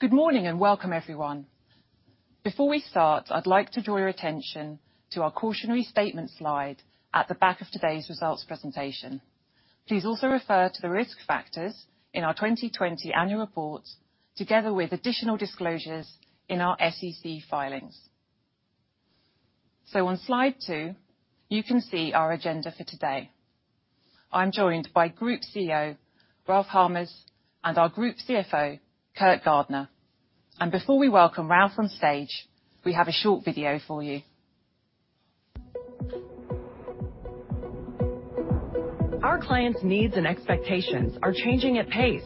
Good morning, and welcome everyone. Before we start, I'd like to draw your attention to our cautionary statement slide at the back of today's results presentation. Please also refer to the risk factors in our 2020 annual report, together with additional disclosures in our SEC filings. On slide 2, you can see our agenda for today. I'm joined by Group CEO Ralph Hamers, and our Group CFO Kirt Gardner. Before we welcome Ralph on stage, we have a short video for you. Our clients' needs and expectations are changing at pace.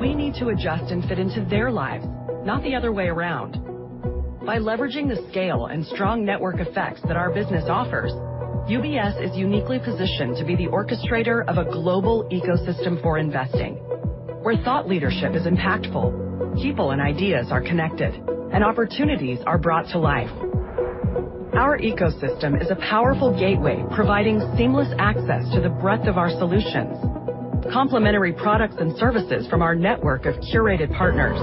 We need to adjust and fit into their lives, not the other way around. By leveraging the scale and strong network effects that our business offers, UBS is uniquely positioned to be the orchestrator of a global ecosystem for investing, where thought leadership is impactful, people and ideas are connected, and opportunities are brought to life. Our ecosystem is a powerful gateway, providing seamless access to the breadth of our solutions, complementary products and services from our network of curated partners,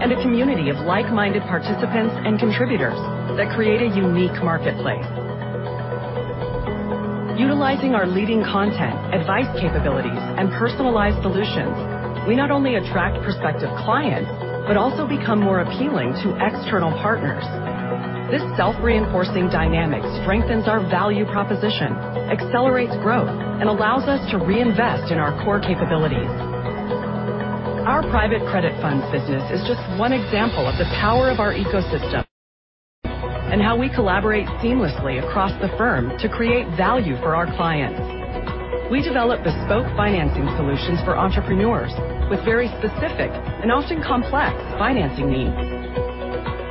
and a community of like-minded participants and contributors that create a unique marketplace. Utilizing our leading content, advice capabilities, and personalized solutions, we not only attract prospective clients, but also become more appealing to external partners. This self-reinforcing dynamic strengthens our value proposition, accelerates growth, and allows us to reinvest in our core capabilities. Our private credit funds business is just one example of the power of our ecosystem and how we collaborate seamlessly across the firm to create value for our clients. We develop bespoke financing solutions for entrepreneurs with very specific and often complex financing needs.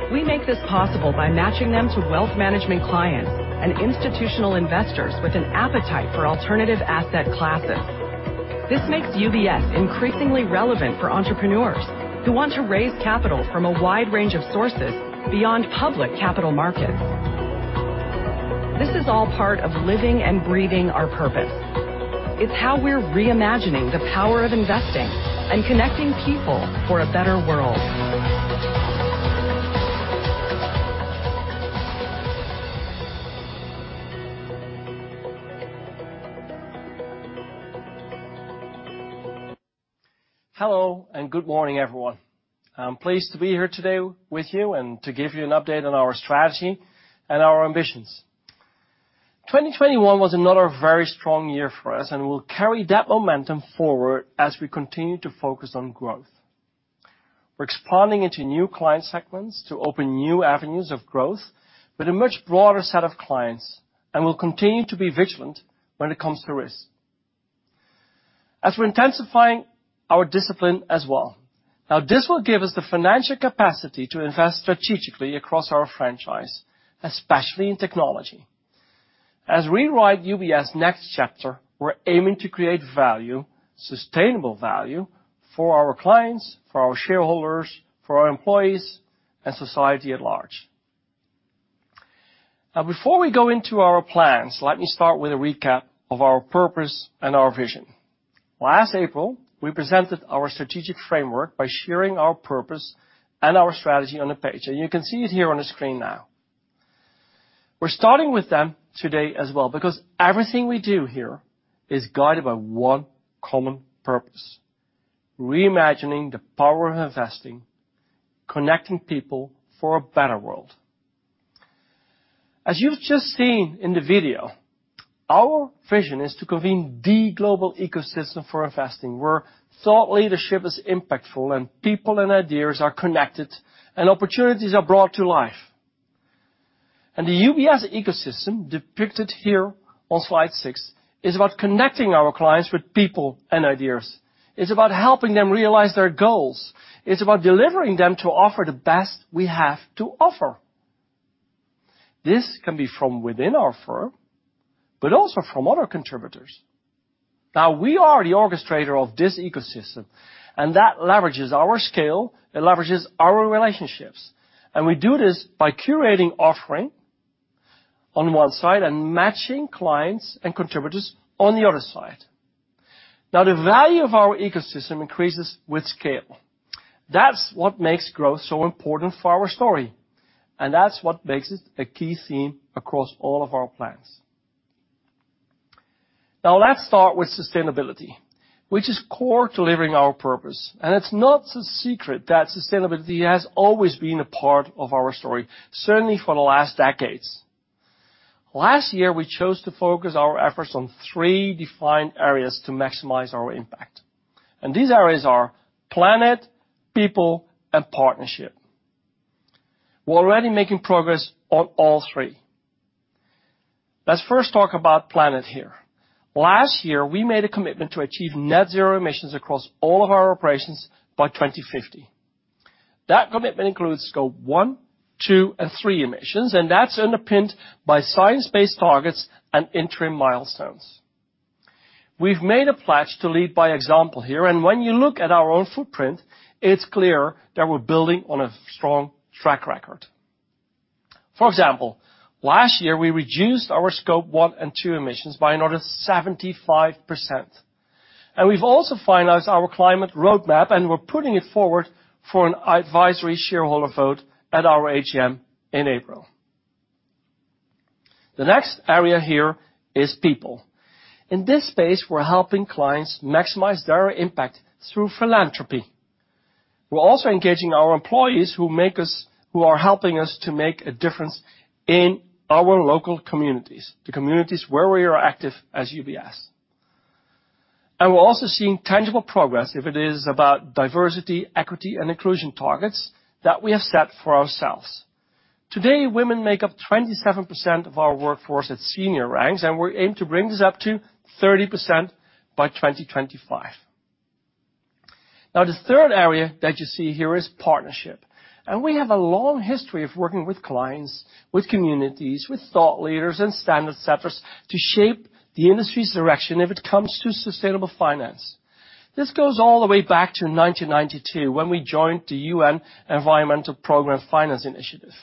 We make this possible by matching them to wealth management clients and institutional investors with an appetite for alternative asset classes. This makes UBS increasingly relevant for entrepreneurs who want to raise capital from a wide range of sources beyond public capital markets. This is all part of living and breathing our purpose. It's how we're reimagining the power of investing and connecting people for a better world. Hello, and good morning, everyone. I'm pleased to be here today with you and to give you an update on our strategy and our ambitions. 2021 was another very strong year for us, and we'll carry that momentum forward as we continue to focus on growth. We're expanding into new client segments to open new avenues of growth with a much broader set of clients, and we'll continue to be vigilant when it comes to risk. As we're intensifying our discipline as well. Now, this will give us the financial capacity to invest strategically across our franchise, especially in technology. As we write UBS next chapter, we're aiming to create value, sustainable value for our clients, for our shareholders, for our employees, and society at large. Now, before we go into our plans, let me start with a recap of our purpose and our vision. Last April, we presented our strategic framework by sharing our purpose and our strategy on a page, and you can see it here on the screen now. We're starting with them today as well because everything we do here is guided by one common purpose: reimagining the power of investing, connecting people for a better world. As you've just seen in the video, our vision is to convene the global ecosystem for investing, where thought leadership is impactful and people and ideas are connected and opportunities are brought to life. The UBS ecosystem, depicted here on slide 6, is about connecting our clients with people and ideas. It's about helping them realize their goals. It's about delivering them to offer the best we have to offer. This can be from within our firm, but also from other contributors. Now, we are the orchestrator of this ecosystem, and that leverages our scale, it leverages our relationships, and we do this by curating, offering on one side, and matching clients and contributors on the other side. Now, the value of our ecosystem increases with scale. That's what makes growth so important for our story, and that's what makes it a key theme across all of our plans. Now let's start with sustainability, which is core to living our purpose. It's not a secret that sustainability has always been a part of our story, certainly for the last decades. Last year, we chose to focus our efforts on three defined areas to maximize our impact, and these areas are planet, people, and partnership. We're already making progress on all three. Let's first talk about planet here. Last year, we made a commitment to achieve net zero emissions across all of our operations by 2050. That commitment includes Scope 1, 2, and 3 emissions, and that's underpinned by science-based targets and interim milestones. We've made a pledge to lead by example here, and when you look at our own footprint, it's clear that we're building on a strong track record. For example, last year we reduced our Scope 1 and 2 emissions by another 75%. We've also finalized our climate roadmap, and we're putting it forward for an advisory shareholder vote at our AGM in April. The next area here is people. In this space, we're helping clients maximize their impact through philanthropy. We're also engaging our employees who are helping us to make a difference in our local communities, the communities where we are active as UBS. We're also seeing tangible progress, if it is about diversity, equity, and inclusion targets that we have set for ourselves. Today, women make up 27% of our workforce at senior ranks, and we aim to bring this up to 30% by 2025. Now, the third area that you see here is partnership. We have a long history of working with clients, with communities, with thought leaders and standard setters to shape the industry's direction if it comes to sustainable finance. This goes all the way back to 1992, when we joined the UN Environment Programme Finance Initiative.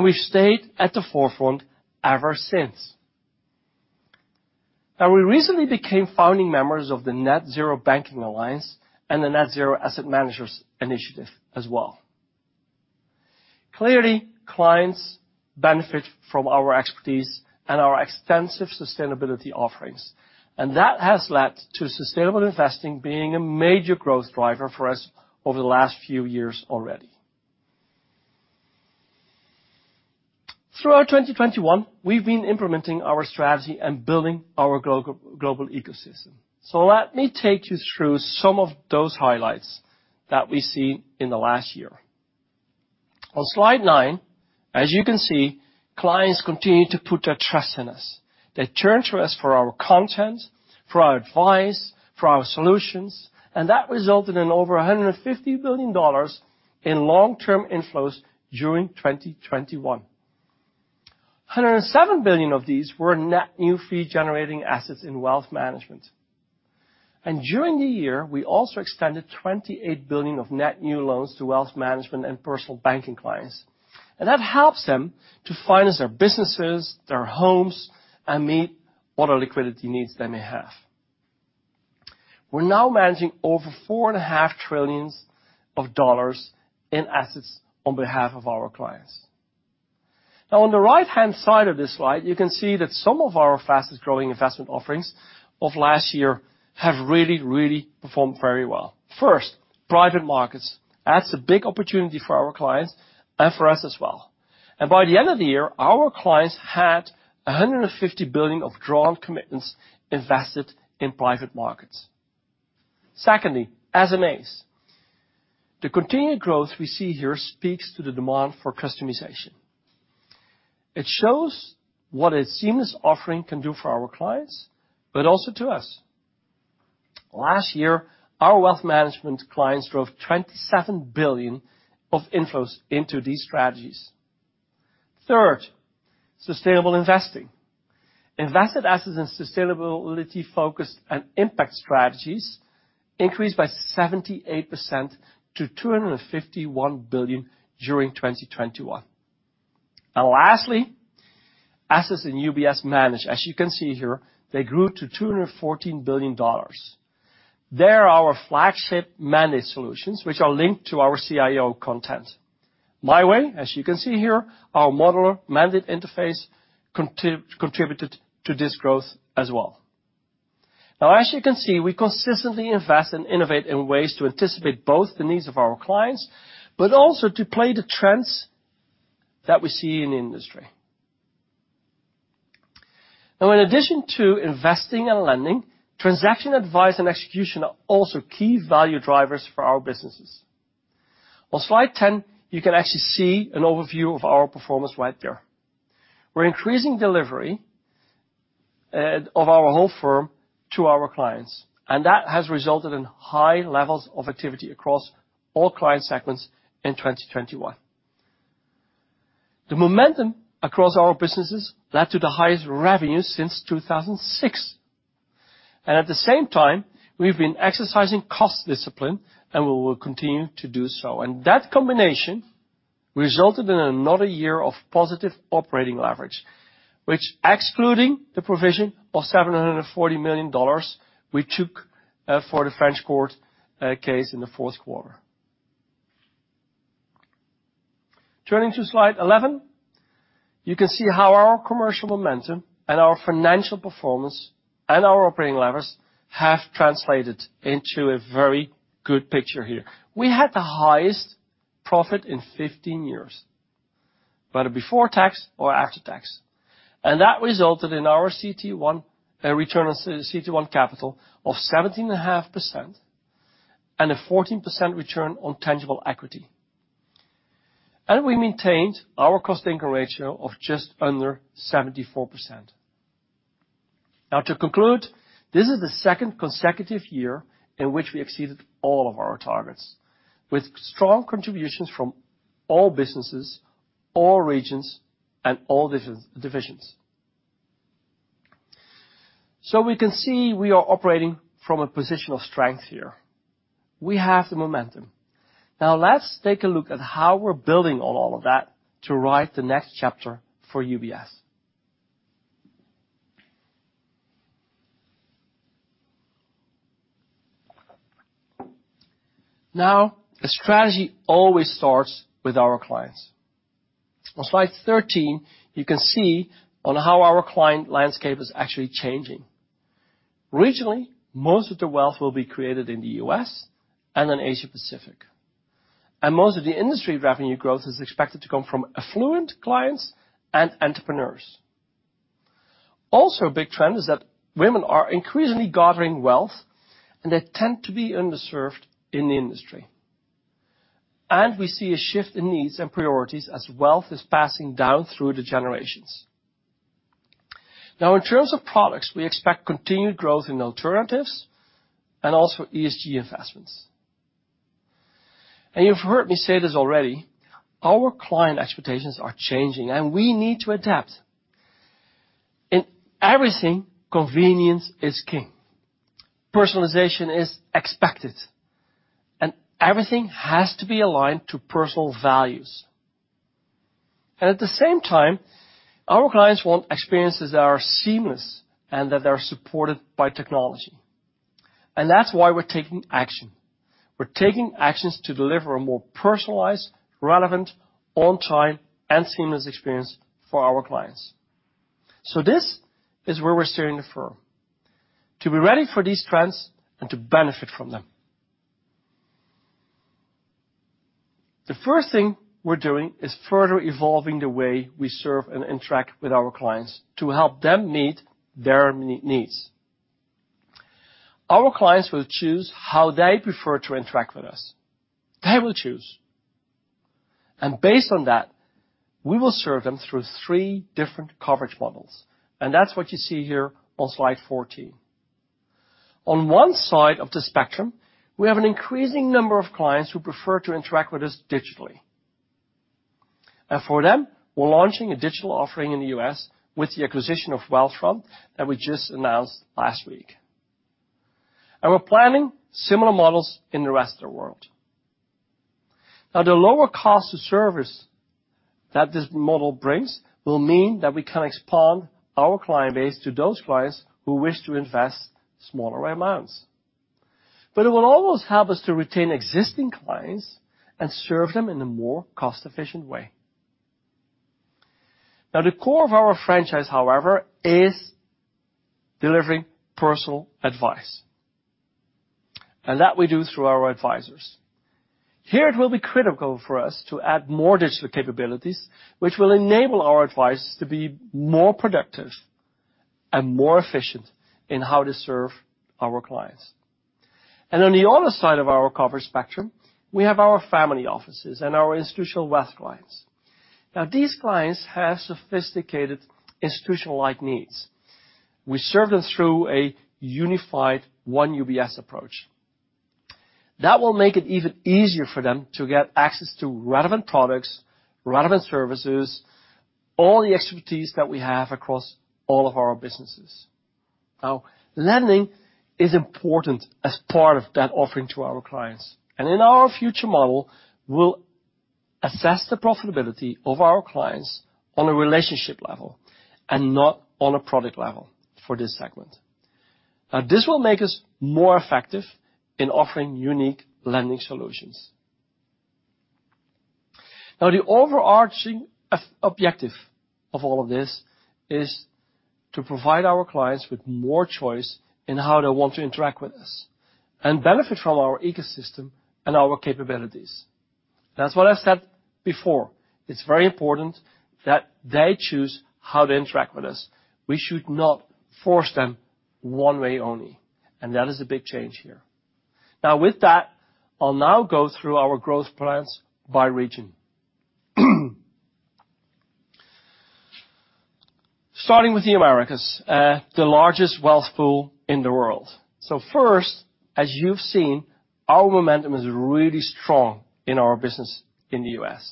We've stayed at the forefront ever since. We recently became founding members of the Net-Zero Banking Alliance and the Net-Zero Asset Managers Initiative as well. Clearly, clients benefit from our expertise and our extensive sustainability offerings, and that has led to sustainable investing being a major growth driver for us over the last few years already. Throughout 2021, we've been implementing our strategy and building our global ecosystem. Let me take you through some of those highlights that we see in the last year. On slide 9, as you can see, clients continue to put their trust in us. They turn to us for our content, for our advice, for our solutions, and that resulted in over $150 billion in long-term inflows during 2021. $107 billion of these were net new fee-generating assets in wealth management. During the year, we also extended $28 billion of net new loans to wealth management and personal banking clients. That helps them to finance their businesses, their homes, and meet what other liquidity needs they may have. We're now managing over $4.5 trillion in assets on behalf of our clients. Now, on the right-hand side of this slide, you can see that some of our fastest-growing investment offerings of last year have really, really performed very well. First, private markets. That's a big opportunity for our clients and for us as well. By the end of the year, our clients had $150 billion of drawn commitments invested in private markets. Secondly, SMAs. The continued growth we see here speaks to the demand for customization. It shows what a seamless offering can do for our clients, but also to us. Last year, our wealth management clients drove $27 billion of inflows into these strategies. Third, sustainable investing. Invested assets in sustainability-focused and impact strategies increased by 78% to $251 billion during 2021. Lastly, assets in UBS Managed as you can see here, they grew to $214 billion. They're our flagship managed solutions which are linked to our CIO content. My Way, as you can see here, our modular managed interface contributed to this growth as well. Now, as you can see, we consistently invest and innovate in ways to anticipate both the needs of our clients, but also to play the trends that we see in the industry. Now, in addition to investing and lending, transaction advice and execution are also key value drivers for our businesses. On slide 10, you can actually see an overview of our performance right there. We're increasing delivery of our whole firm to our clients, and that has resulted in high levels of activity across all client segments in 2021. The momentum across our businesses led to the highest revenues since 2006. At the same time, we've been exercising cost discipline, and we will continue to do so. That combination resulted in another year of positive operating leverage, which, excluding the provision of $740 million we took for the French Court of Appeal case in the fourth quarter. Turning to Slide 11, you can see how our commercial momentum and our financial performance and our operating levers have translated into a very good picture here. We had the highest profit in 15 years, whether before tax or after tax, and that resulted in our CET1 return on CET1 capital of 17.5% and a 14% return on tangible equity. We maintained our cost-income ratio of just under 74%. Now to conclude, this is the second consecutive year in which we exceeded all of our targets with strong contributions from all businesses, all regions, and all divisions. We can see we are operating from a position of strength here. We have the momentum. Now let's take a look at how we're building on all of that to write the next chapter for UBS. Now, a strategy always starts with our clients. On slide 13, you can see how our client landscape is actually changing. Regionally, most of the wealth will be created in the U.S. and in Asia-Pacific, and most of the industry revenue growth is expected to come from affluent clients and entrepreneurs. Also a big trend is that women are increasingly gathering wealth, and they tend to be underserved in the industry. We see a shift in needs and priorities as wealth is passing down through the generations. Now in terms of products, we expect continued growth in alternatives and also ESG investments. You've heard me say this already, our client expectations are changing, and we need to adapt. In everything, convenience is king, personalization is expected, and everything has to be aligned to personal values. At the same time, our clients want experiences that are seamless and that they are supported by technology. That's why we're taking action. We're taking actions to deliver a more personalized, relevant, on-time, and seamless experience for our clients. This is where we're steering the firm, to be ready for these trends and to benefit from them. The first thing we're doing is further evolving the way we serve and interact with our clients to help them meet their needs. Our clients will choose how they prefer to interact with us. They will choose. Based on that, we will serve them through three different coverage models, and that's what you see here on slide 14. On one side of the spectrum, we have an increasing number of clients who prefer to interact with us digitally. For them, we're launching a digital offering in the U.S. with the acquisition of Wealthfront that we just announced last week. We're planning similar models in the rest of the world. Now the lower cost of service that this model brings will mean that we can expand our client base to those clients who wish to invest smaller amounts. It will always help us to retain existing clients and serve them in a more cost-efficient way. Now the core of our franchise, however, is delivering personal advice, and that we do through our advisors. Here it will be critical for us to add more digital capabilities, which will enable our advisors to be more productive and more efficient in how to serve our clients. On the other side of our coverage spectrum, we have our family offices and our institutional wealth clients. Now these clients have sophisticated institutional-like needs. We serve them through a unified one UBS approach. That will make it even easier for them to get access to relevant products, relevant services, all the expertise that we have across all of our businesses. Now, lending is important as part of that offering to our clients. In our future model, we'll assess the profitability of our clients on a relationship level and not on a product level for this segment. Now this will make us more effective in offering unique lending solutions. Now the overarching objective of all of this is to provide our clients with more choice in how they want to interact with us and benefit from our ecosystem and our capabilities. That's what I said before. It's very important that they choose how to interact with us. We should not force them one way only, and that is a big change here. Now with that, I'll now go through our growth plans by region. Starting with the Americas, the largest wealth pool in the world. First, as you've seen, our momentum is really strong in our business in the U.S.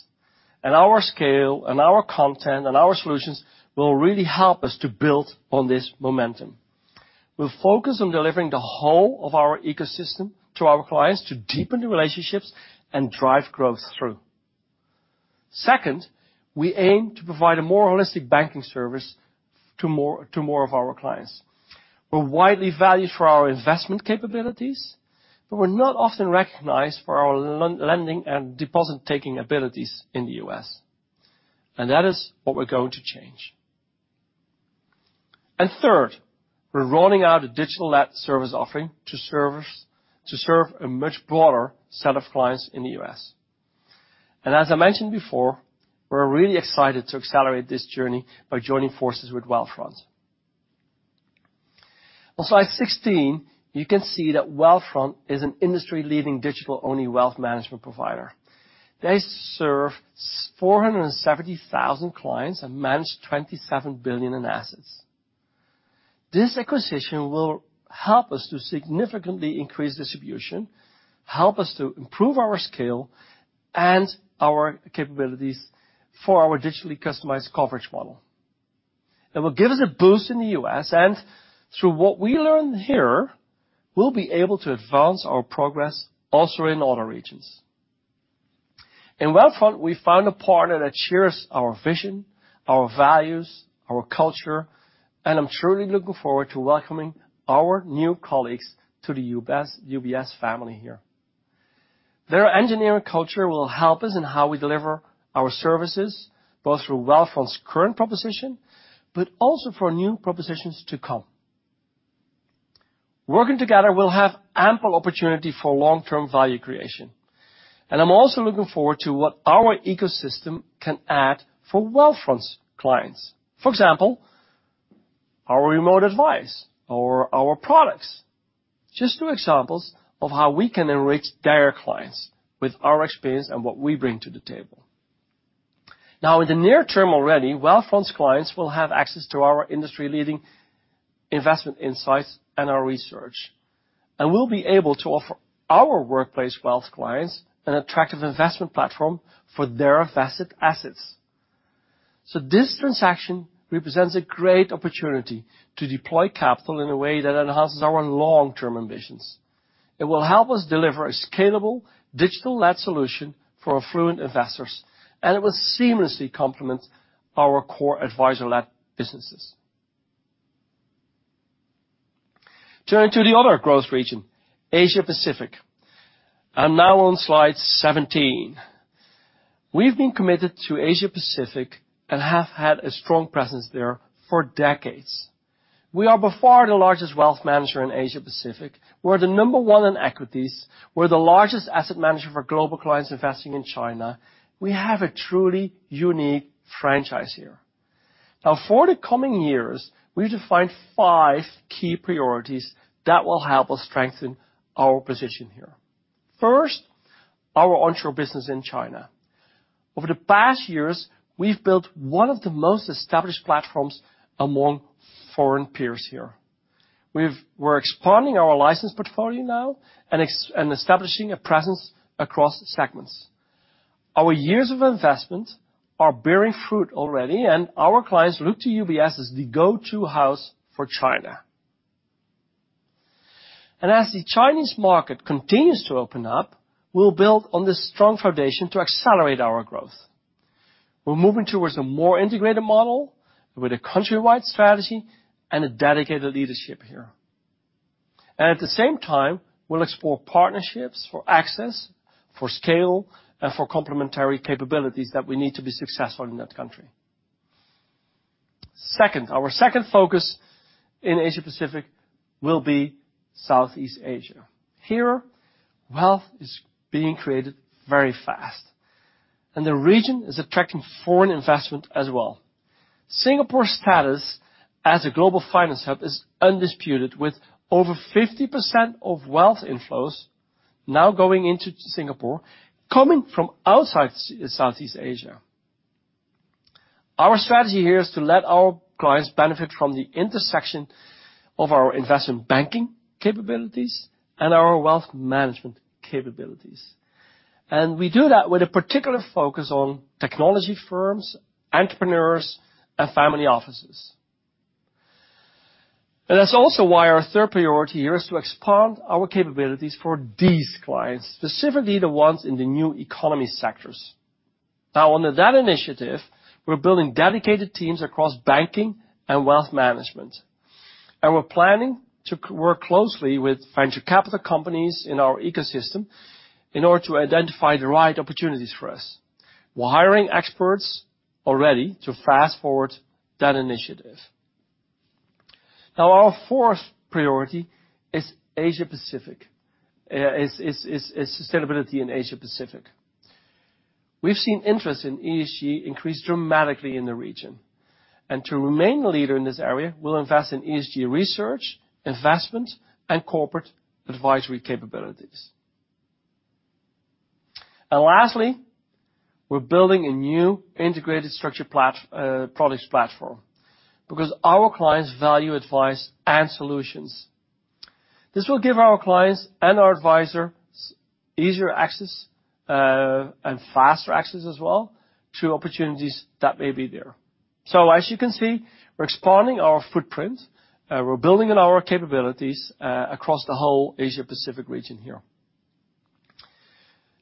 Our scale and our content and our solutions will really help us to build on this momentum. We'll focus on delivering the whole of our ecosystem to our clients to deepen the relationships and drive growth through. Second, we aim to provide a more holistic banking service to more of our clients. We're widely valued for our investment capabilities, but we're not often recognized for our lending and deposit-taking abilities in the U.S., and that is what we're going to change. Third, we're rolling out a digital service offering to serve a much broader set of clients in the U.S. As I mentioned before, we're really excited to accelerate this journey by joining forces with Wealthfront. On slide 16, you can see that Wealthfront is an industry-leading digital-only wealth management provider. They serve 470,000 clients and manage $27 billion in assets. This acquisition will help us to significantly increase distribution. Help us to improve our scale and our capabilities for our digitally customized coverage model. It will give us a boost in the U.S., and through what we learn here, we'll be able to advance our progress also in other regions. In Wealthfront, we found a partner that shares our vision, our values, our culture, and I'm truly looking forward to welcoming our new colleagues to the UBS family here. Their engineering culture will help us in how we deliver our services, both through Wealthfront's current proposition, but also for new propositions to come. Working together, we'll have ample opportunity for long-term value creation. I'm also looking forward to what our ecosystem can add for Wealthfront's clients. For example, our remote advice or our products. Just two examples of how we can enrich their clients with our experience and what we bring to the table. Now, in the near term already, Wealthfront's clients will have access to our industry-leading investment insights and our research, and we'll be able to offer our workplace wealth clients an attractive investment platform for their vested assets. This transaction represents a great opportunity to deploy capital in a way that enhances our long-term ambitions. It will help us deliver a scalable digital-led solution for affluent investors, and it will seamlessly complement our core advisor-led businesses. Turning to the other growth region, Asia-Pacific. I'm now on slide 17. We've been committed to Asia-Pacific and have had a strong presence there for decades. We are by far the largest wealth manager in Asia-Pacific. We're the number one in equities. We're the largest asset manager for global clients investing in China. We have a truly unique franchise here. Now, for the coming years, we've defined five key priorities that will help us strengthen our position here. First, our onshore business in China. Over the past years, we've built one of the most established platforms among foreign peers here. We're expanding our license portfolio now and establishing a presence across segments. Our years of investment are bearing fruit already, and our clients look to UBS as the go-to house for China. As the Chinese market continues to open up, we'll build on this strong foundation to accelerate our growth. We're moving towards a more integrated model with a country-wide strategy and a dedicated leadership here. At the same time, we'll explore partnerships for access, for scale, and for complementary capabilities that we need to be successful in that country. Second, our second focus in Asia-Pacific will be Southeast Asia. Here, wealth is being created very fast, and the region is attracting foreign investment as well. Singapore's status as a global finance hub is undisputed, with over 50% of wealth inflows now going into Singapore, coming from outside Southeast Asia. Our strategy here is to let our clients benefit from the intersection of our investment banking capabilities and our wealth management capabilities. We do that with a particular focus on technology firms, entrepreneurs, and family offices. That's also why our third priority here is to expand our capabilities for these clients, specifically the ones in the new economy sectors. Now under that initiative, we're building dedicated teams across banking and wealth management, and we're planning to work closely with venture capital companies in our ecosystem in order to identify the right opportunities for us. We're hiring experts already to fast-forward that initiative. Now, our fourth priority is Asia-Pacific is sustainability in Asia-Pacific. We've seen interest in ESG increase dramatically in the region. To remain a leader in this area, we'll invest in ESG research, investment, and corporate advisory capabilities. Lastly, we're building a new integrated structure products platform because our clients value advice and solutions. This will give our clients and our advisors easier access and faster access as well to opportunities that may be there. As you can see, we're expanding our footprint, we're building on our capabilities across the whole Asia-Pacific region here.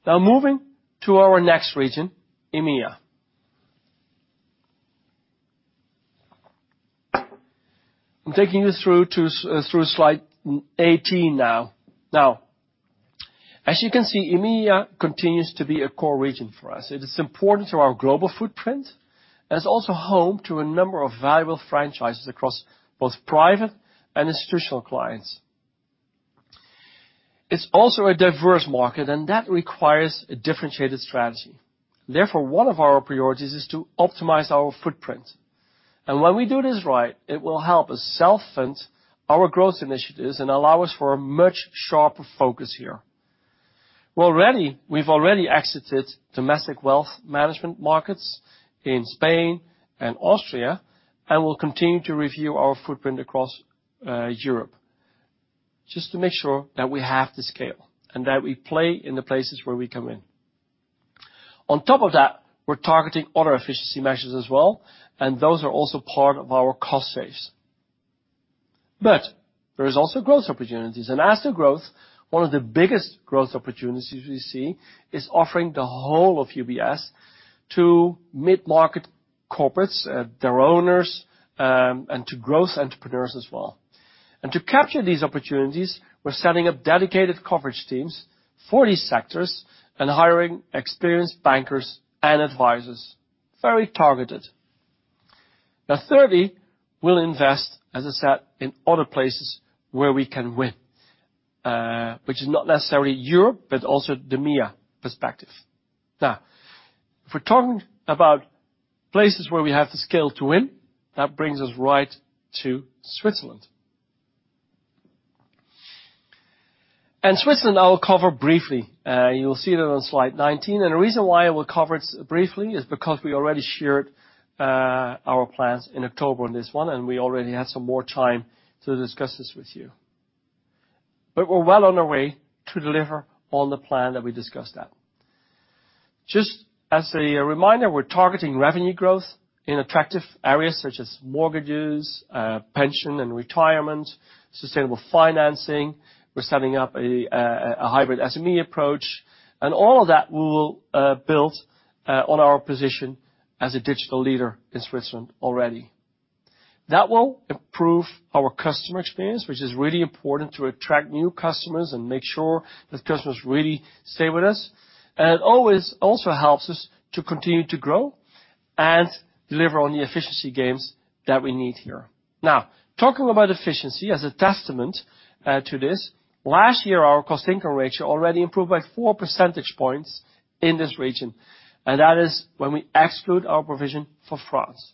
Now moving to our next region, EMEA. I'm taking you through to slide eighteen now. Now, as you can see, EMEA continues to be a core region for us. It is important to our global footprint, and it's also home to a number of valuable franchises across both private and institutional clients. It's also a diverse market, and that requires a differentiated strategy. Therefore, one of our priorities is to optimize our footprint. When we do this right, it will help us self-fund our growth initiatives and allow us for a much sharper focus here. We're ready. We've already exited domestic wealth management markets in Spain and Austria, and we'll continue to review our footprint across Europe just to make sure that we have the scale and that we play in the places where we come in. On top of that, we're targeting other efficiency measures as well, and those are also part of our cost savings. There is also growth opportunities. As to growth, one of the biggest growth opportunities we see is offering the whole of UBS to mid-market corporates, their owners, and to growth entrepreneurs as well. To capture these opportunities, we're setting up dedicated coverage teams for these sectors and hiring experienced bankers and advisors, very targeted. Now, thirdly, we'll invest, as I said, in other places where we can win, which is not necessarily Europe, but also the EMEA perspective. Now, if we're talking about places where we have the scale to win, that brings us right to Switzerland. Switzerland I'll cover briefly. You'll see that on slide 19. The reason why I will cover it briefly is because we already shared our plans in October on this one, and we already had some more time to discuss this with you. We're well on our way to deliver on the plan that we discussed then. Just as a reminder, we're targeting revenue growth in attractive areas such as mortgages, pension and retirement, sustainable financing. We're setting up a hybrid SME approach. All of that will build on our position as a digital leader in Switzerland already. That will improve our customer experience, which is really important to attract new customers and make sure that customers really stay with us. It always also helps us to continue to grow and deliver on the efficiency gains that we need here. Now, talking about efficiency as a testament to this, last year, our cost income ratio already improved by 4 percentage points in this region, and that is when we exclude our provision for France.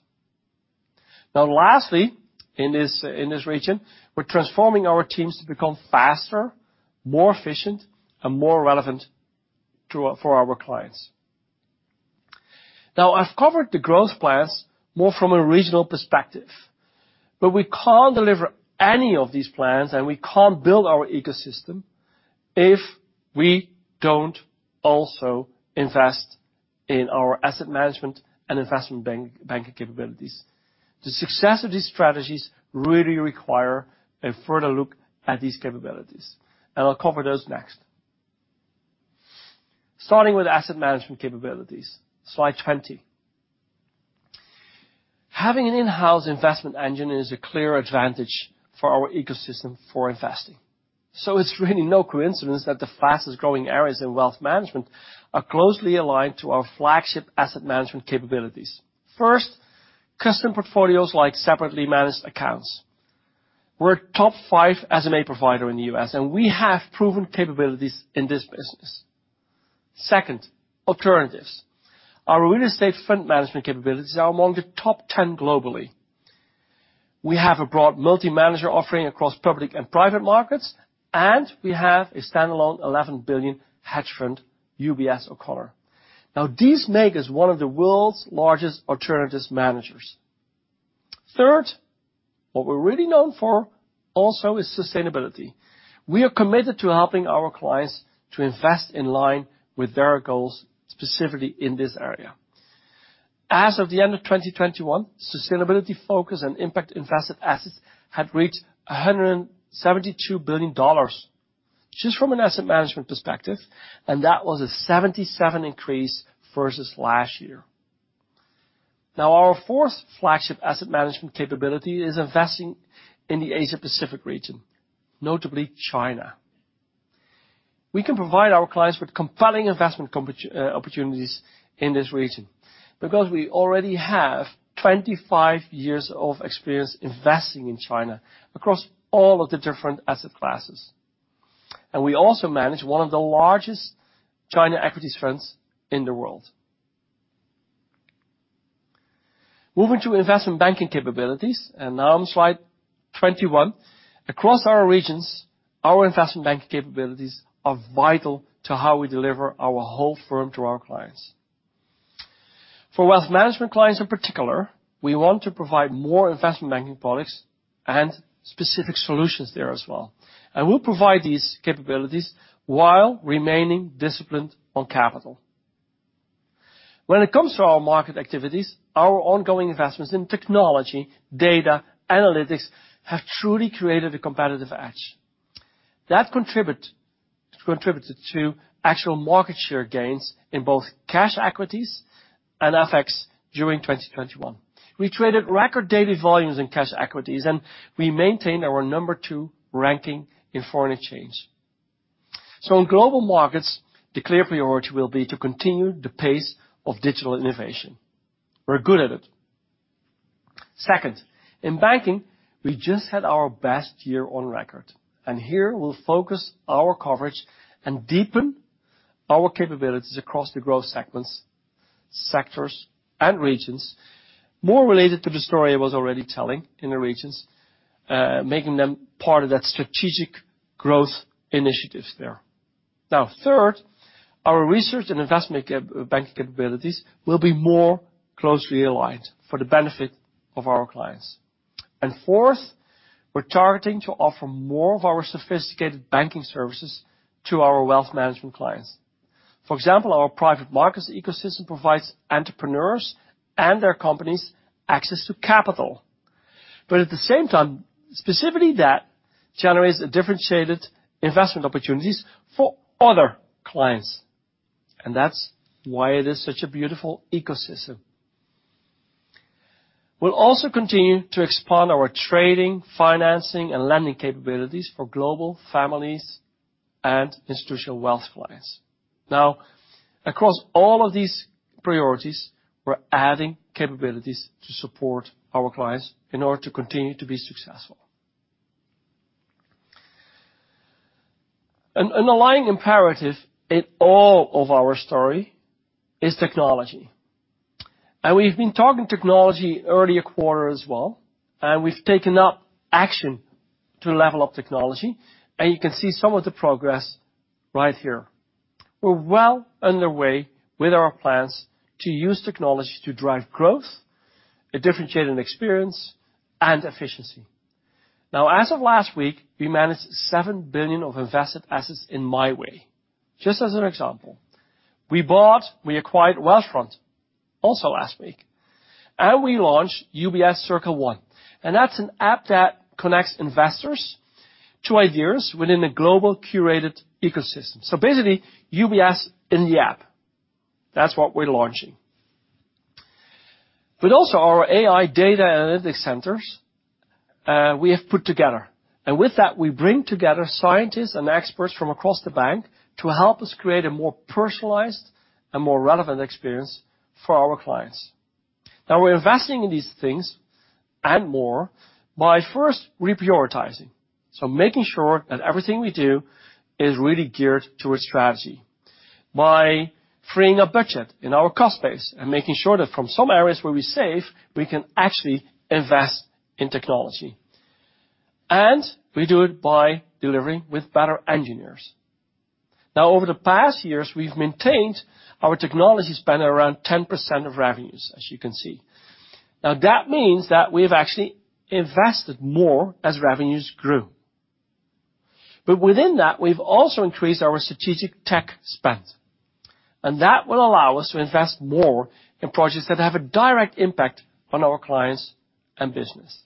Now lastly, in this region, we're transforming our teams to become faster, more efficient, and more relevant to for our clients. Now I've covered the growth plans more from a regional perspective, but we can't deliver any of these plans, and we can't build our ecosystem if we don't also invest in our asset management and investment banking capabilities. The success of these strategies really require a further look at these capabilities, and I'll cover those next. Starting with asset management capabilities, slide 20. Having an in-house investment engine is a clear advantage for our ecosystem for investing. It's really no coincidence that the fastest-growing areas in wealth management are closely aligned to our flagship asset management capabilities. First, custom portfolios like separately managed accounts. We're a top five SMA provider in the U.S., and we have proven capabilities in this business. Second, alternatives. Our real estate fund management capabilities are among the top 10 globally. We have a broad multi-manager offering across public and private markets, and we have a standalone $11 billion hedge fund, UBS O'Connor. Now, these make us one of the world's largest alternatives managers. Third, what we're really known for also is sustainability. We are committed to helping our clients to invest in line with their goals, specifically in this area. As of the end of 2021, sustainability focused and impact invested assets had reached $172 billion just from an asset management perspective, and that was a 77% increase versus last year. Now, our fourth flagship asset management capability is investing in the Asia-Pacific region, notably China. We can provide our clients with compelling investment opportunities in this region because we already have 25 years of experience investing in China across all of the different asset classes. We also manage one of the largest China equities funds in the world. Moving to investment banking capabilities, now on slide 21. Across our regions, our investment banking capabilities are vital to how we deliver our whole firm to our clients. For wealth management clients in particular, we want to provide more investment banking products and specific solutions there as well. We'll provide these capabilities while remaining disciplined on capital. When it comes to our market activities, our ongoing investments in technology, data, analytics have truly created a competitive edge. That contributed to actual market share gains in both cash equities and FX during 2021. We traded record daily volumes in cash equities, and we maintained our number 2 ranking in foreign exchange. In global markets, the clear priority will be to continue the pace of digital innovation. We're good at it. Second, in banking, we just had our best year on record, and here we'll focus our coverage and deepen our capabilities across the growth segments, sectors, and regions more related to the story I was already telling in the regions, making them part of that strategic growth initiatives there. Now third, our research and investment banking capabilities will be more closely aligned for the benefit of our clients. Fourth, we're targeting to offer more of our sophisticated banking services to our wealth management clients. For example, our private markets ecosystem provides entrepreneurs and their companies access to capital. But at the same time, specifically that generates a differentiated investment opportunities for other clients, and that's why it is such a beautiful ecosystem. We'll also continue to expand our trading, financing, and lending capabilities for global families and institutional wealth clients. Now, across all of these priorities, we're adding capabilities to support our clients in order to continue to be successful. An underlying imperative in all of our story is technology. We've been talking technology earlier quarter as well, and we've taken up action to level up technology, and you can see some of the progress right here. We're well underway with our plans to use technology to drive growth, a differentiated experience, and efficiency. Now, as of last week, we managed $7 billion of invested assets in MyWay, just as an example. We acquired Wealthfront also last week. We launched UBS Circle One, and that's an app that connects investors to ideas within a global curated ecosystem. Basically, UBS in the app. That's what we're launching. Our AI data analytics centers, we have put together. With that, we bring together scientists and experts from across the bank to help us create a more personalized and more relevant experience for our clients. Now, we're investing in these things and more by first reprioritizing, so making sure that everything we do is really geared to a strategy, by freeing up budget in our cost base and making sure that from some areas where we save, we can actually invest in technology. We do it by delivering with better engineers. Now, over the past years, we've maintained our technology spend around 10% of revenues, as you can see. Now, that means that we've actually invested more as revenues grew. Within that, we've also increased our strategic tech spend, and that will allow us to invest more in projects that have a direct impact on our clients and business.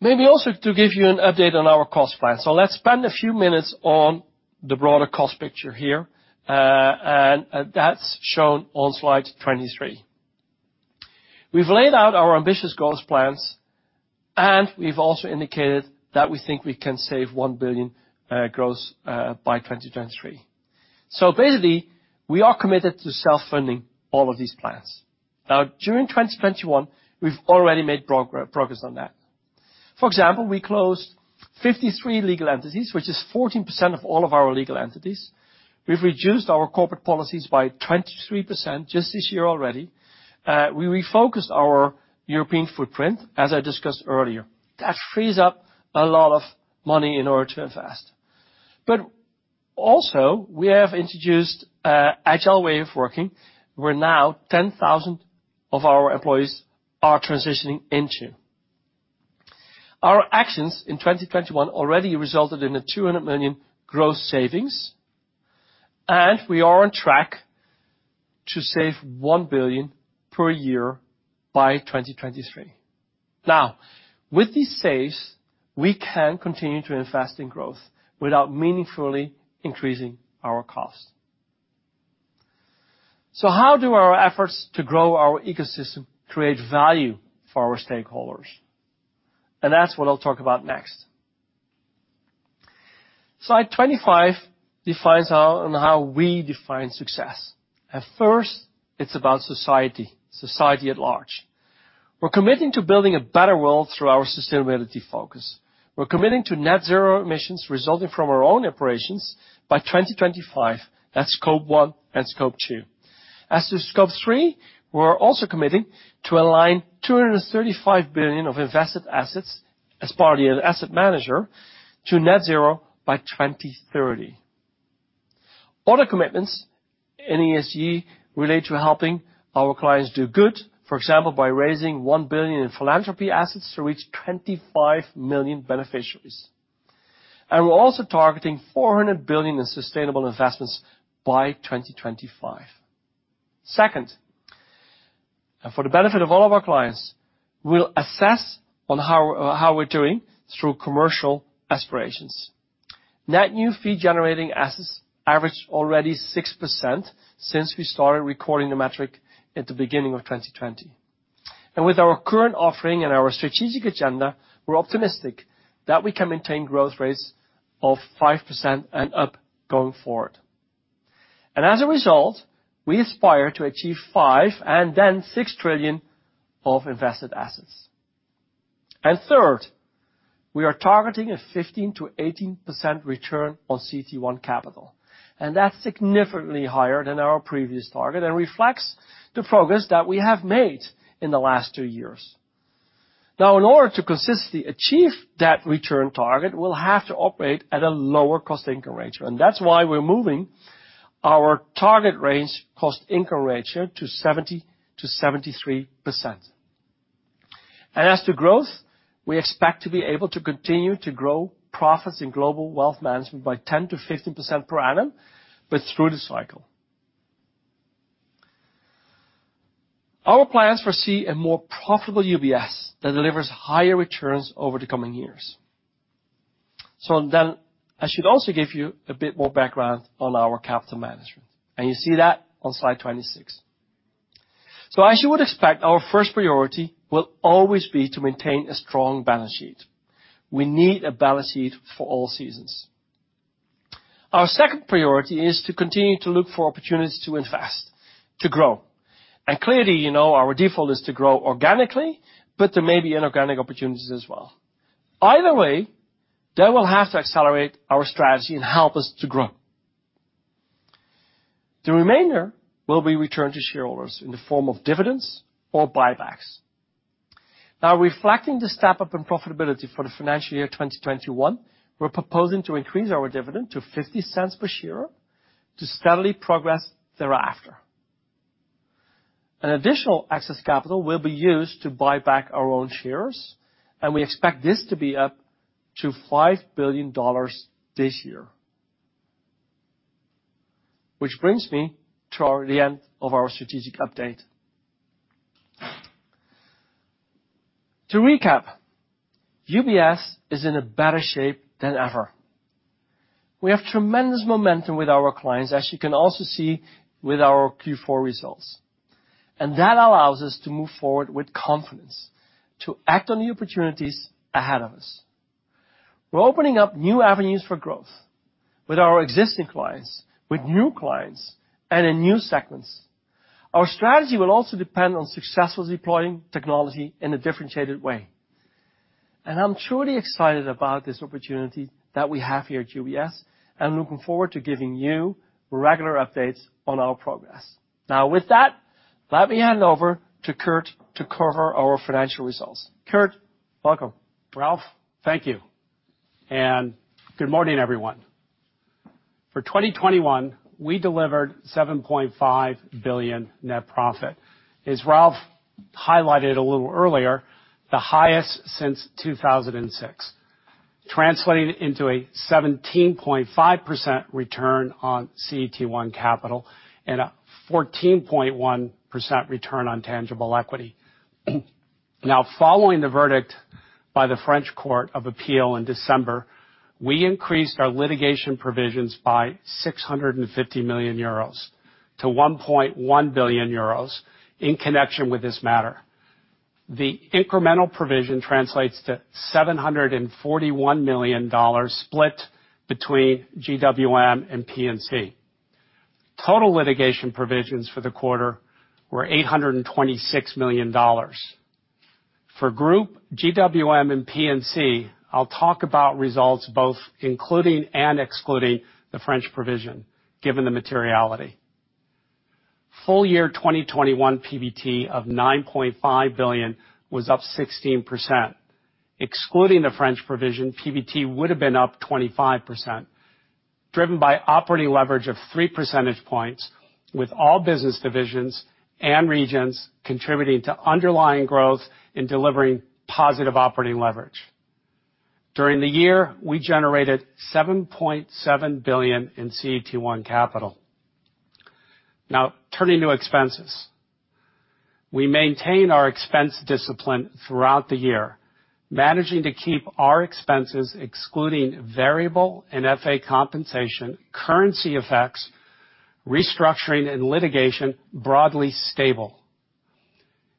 Maybe also to give you an update on our cost plan. Let's spend a few minutes on the broader cost picture here. And that's shown on slide 23. We've laid out our ambitious goals plans, and we've also indicated that we think we can save 1 billion gross by 2023. Basically, we are committed to self-funding all of these plans. Now, during 2021, we've already made progress on that. For example, we closed 53 legal entities, which is 14% of all of our legal entities. We've reduced our corporate policies by 23% just this year already. We refocused our European footprint, as I discussed earlier. That frees up a lot of money in order to invest. Also, we have introduced an agile way of working, where now 10,000 of our employees are transitioning into. Our actions in 2021 already resulted in a 200 million growth savings, and we are on track to save 1 billion per year by 2023. Now, with these saves, we can continue to invest in growth without meaningfully increasing our costs. How do our efforts to grow our ecosystem create value for our stakeholders? That's what I'll talk about next. Slide 25 defines how we define success. First, it's about society at large. We're committing to building a better world through our sustainability focus. We're committing to net zero emissions resulting from our own operations by 2025. That's Scope 1 and Scope 2. As to Scope 3, we're also committing to align 235 billion of invested assets as part of the Net Zero Asset Managers by 2030. Other commitments in ESG relate to helping our clients do good, for example, by raising $1 billion in philanthropy assets to reach 25 million beneficiaries. We're also targeting $400 billion in sustainable investments by 2025. Second, for the benefit of all of our clients, we'll assess how we're doing through commercial aspirations. Net new fee-generating assets average already 6% since we started recording the metric at the beginning of 2020. With our current offering and our strategic agenda, we're optimistic that we can maintain growth rates of 5% and up going forward. As a result, we aspire to achieve 5 and then 6 trillion of invested assets. Third, we are targeting a 15%-18% return on CET1 capital, and that's significantly higher than our previous target and reflects the progress that we have made in the last two years. Now, in order to consistently achieve that return target, we'll have to operate at a lower cost income ratio, and that's why we're moving our target range cost income ratio to 70%-73%. As to growth, we expect to be able to continue to grow profits in Global Wealth Management by 10%-15% per annum, but through the cycle. Our plans foresee a more profitable UBS that delivers higher returns over the coming years. I should also give you a bit more background on our capital management, and you see that on slide 26. As you would expect, our first priority will always be to maintain a strong balance sheet. We need a balance sheet for all seasons. Our second priority is to continue to look for opportunities to invest, to grow. Clearly, you know our default is to grow organically, but there may be inorganic opportunities as well. Either way, they will have to accelerate our strategy and help us to grow. The remainder will be returned to shareholders in the form of dividends or buybacks. Now reflecting the step-up in profitability for the financial year 2021, we're proposing to increase our dividend to 0.50 per share to steadily progress thereafter. An additional excess capital will be used to buy back our own shares, and we expect this to be up to $5 billion this year. Which brings me toward the end of our strategic update. To recap, UBS is in a better shape than ever. We have tremendous momentum with our clients, as you can also see with our Q4 results. That allows us to move forward with confidence, to act on the opportunities ahead of us. We're opening up new avenues for growth with our existing clients, with new clients, and in new segments. Our strategy will also depend on successfully deploying technology in a differentiated way. I'm truly excited about this opportunity that we have here at UBS, and looking forward to giving you regular updates on our progress. Now with that, let me hand over to Kirt to cover our financial results. Kirt, welcome. Ralph, thank you. Good morning, everyone. For 2021, we delivered 7.5 billion net profit. As Ralph highlighted a little earlier, the highest since 2006, translating into a 17.5% return on CET1 capital and a 14.1% return on tangible equity. Now following the verdict by the French Court of Appeal in December, we increased our litigation provisions by 650 million euros to 1.1 billion euros in connection with this matter. The incremental provision translates to $741 million split between GWM and P&C. Total litigation provisions for the quarter were $826 million. For Group GWM and P&C, I'll talk about results both including and excluding the French provision, given the materiality. Full year 2021 PBT of 9.5 billion was up 16%. Excluding the French provision, PBT would've been up 25%, driven by operating leverage of 3 percentage points, with all business divisions and regions contributing to underlying growth in delivering positive operating leverage. During the year, we generated 7.7 billion in CET1 capital. Now, turning to expenses. We maintain our expense discipline throughout the year, managing to keep our expenses, excluding variable and FA compensation, currency effects, restructuring, and litigation broadly stable.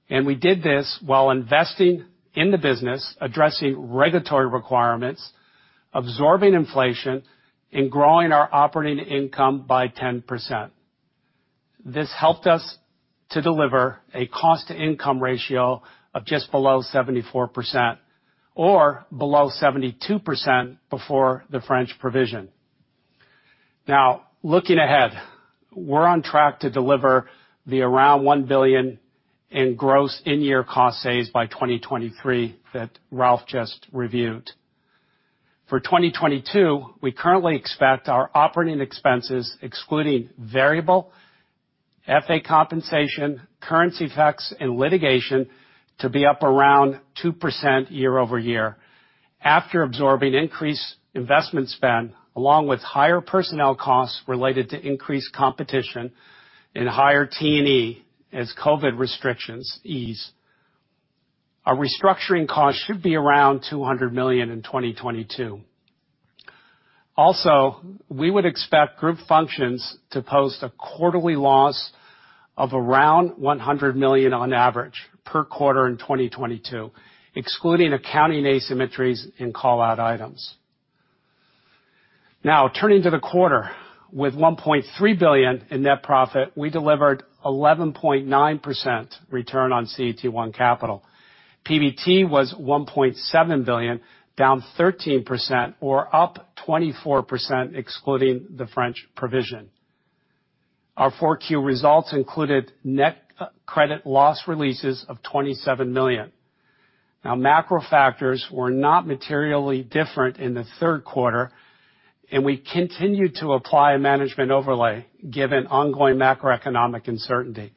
We did this while investing in the business, addressing regulatory requirements, absorbing inflation, and growing our operating income by 10%. This helped us to deliver a cost-to-income ratio of just below 74% or below 72% before the French provision. Now, looking ahead, we're on track to deliver around 1 billion in gross in-year cost saves by 2023 that Ralph just reviewed. For 2022, we currently expect our operating expenses, excluding variable FA compensation, currency effects, and litigation, to be up around 2% year-over-year. After absorbing increased investment spend, along with higher personnel costs related to increased competition and higher T&E as COVID restrictions ease, our restructuring costs should be around 200 million in 2022. Also, we would expect group functions to post a quarterly loss of around 100 million on average per quarter in 2022, excluding accounting asymmetries and call-out items. Now turning to the quarter, with 1.3 billion in net profit, we delivered 11.9% return on CET1 capital. PBT was 1.7 billion, down 13% or up 24% excluding the French provision. Our 4Q results included net credit loss releases of 27 million. Macro factors were not materially different in the third quarter, and we continued to apply a management overlay given ongoing macroeconomic uncertainty.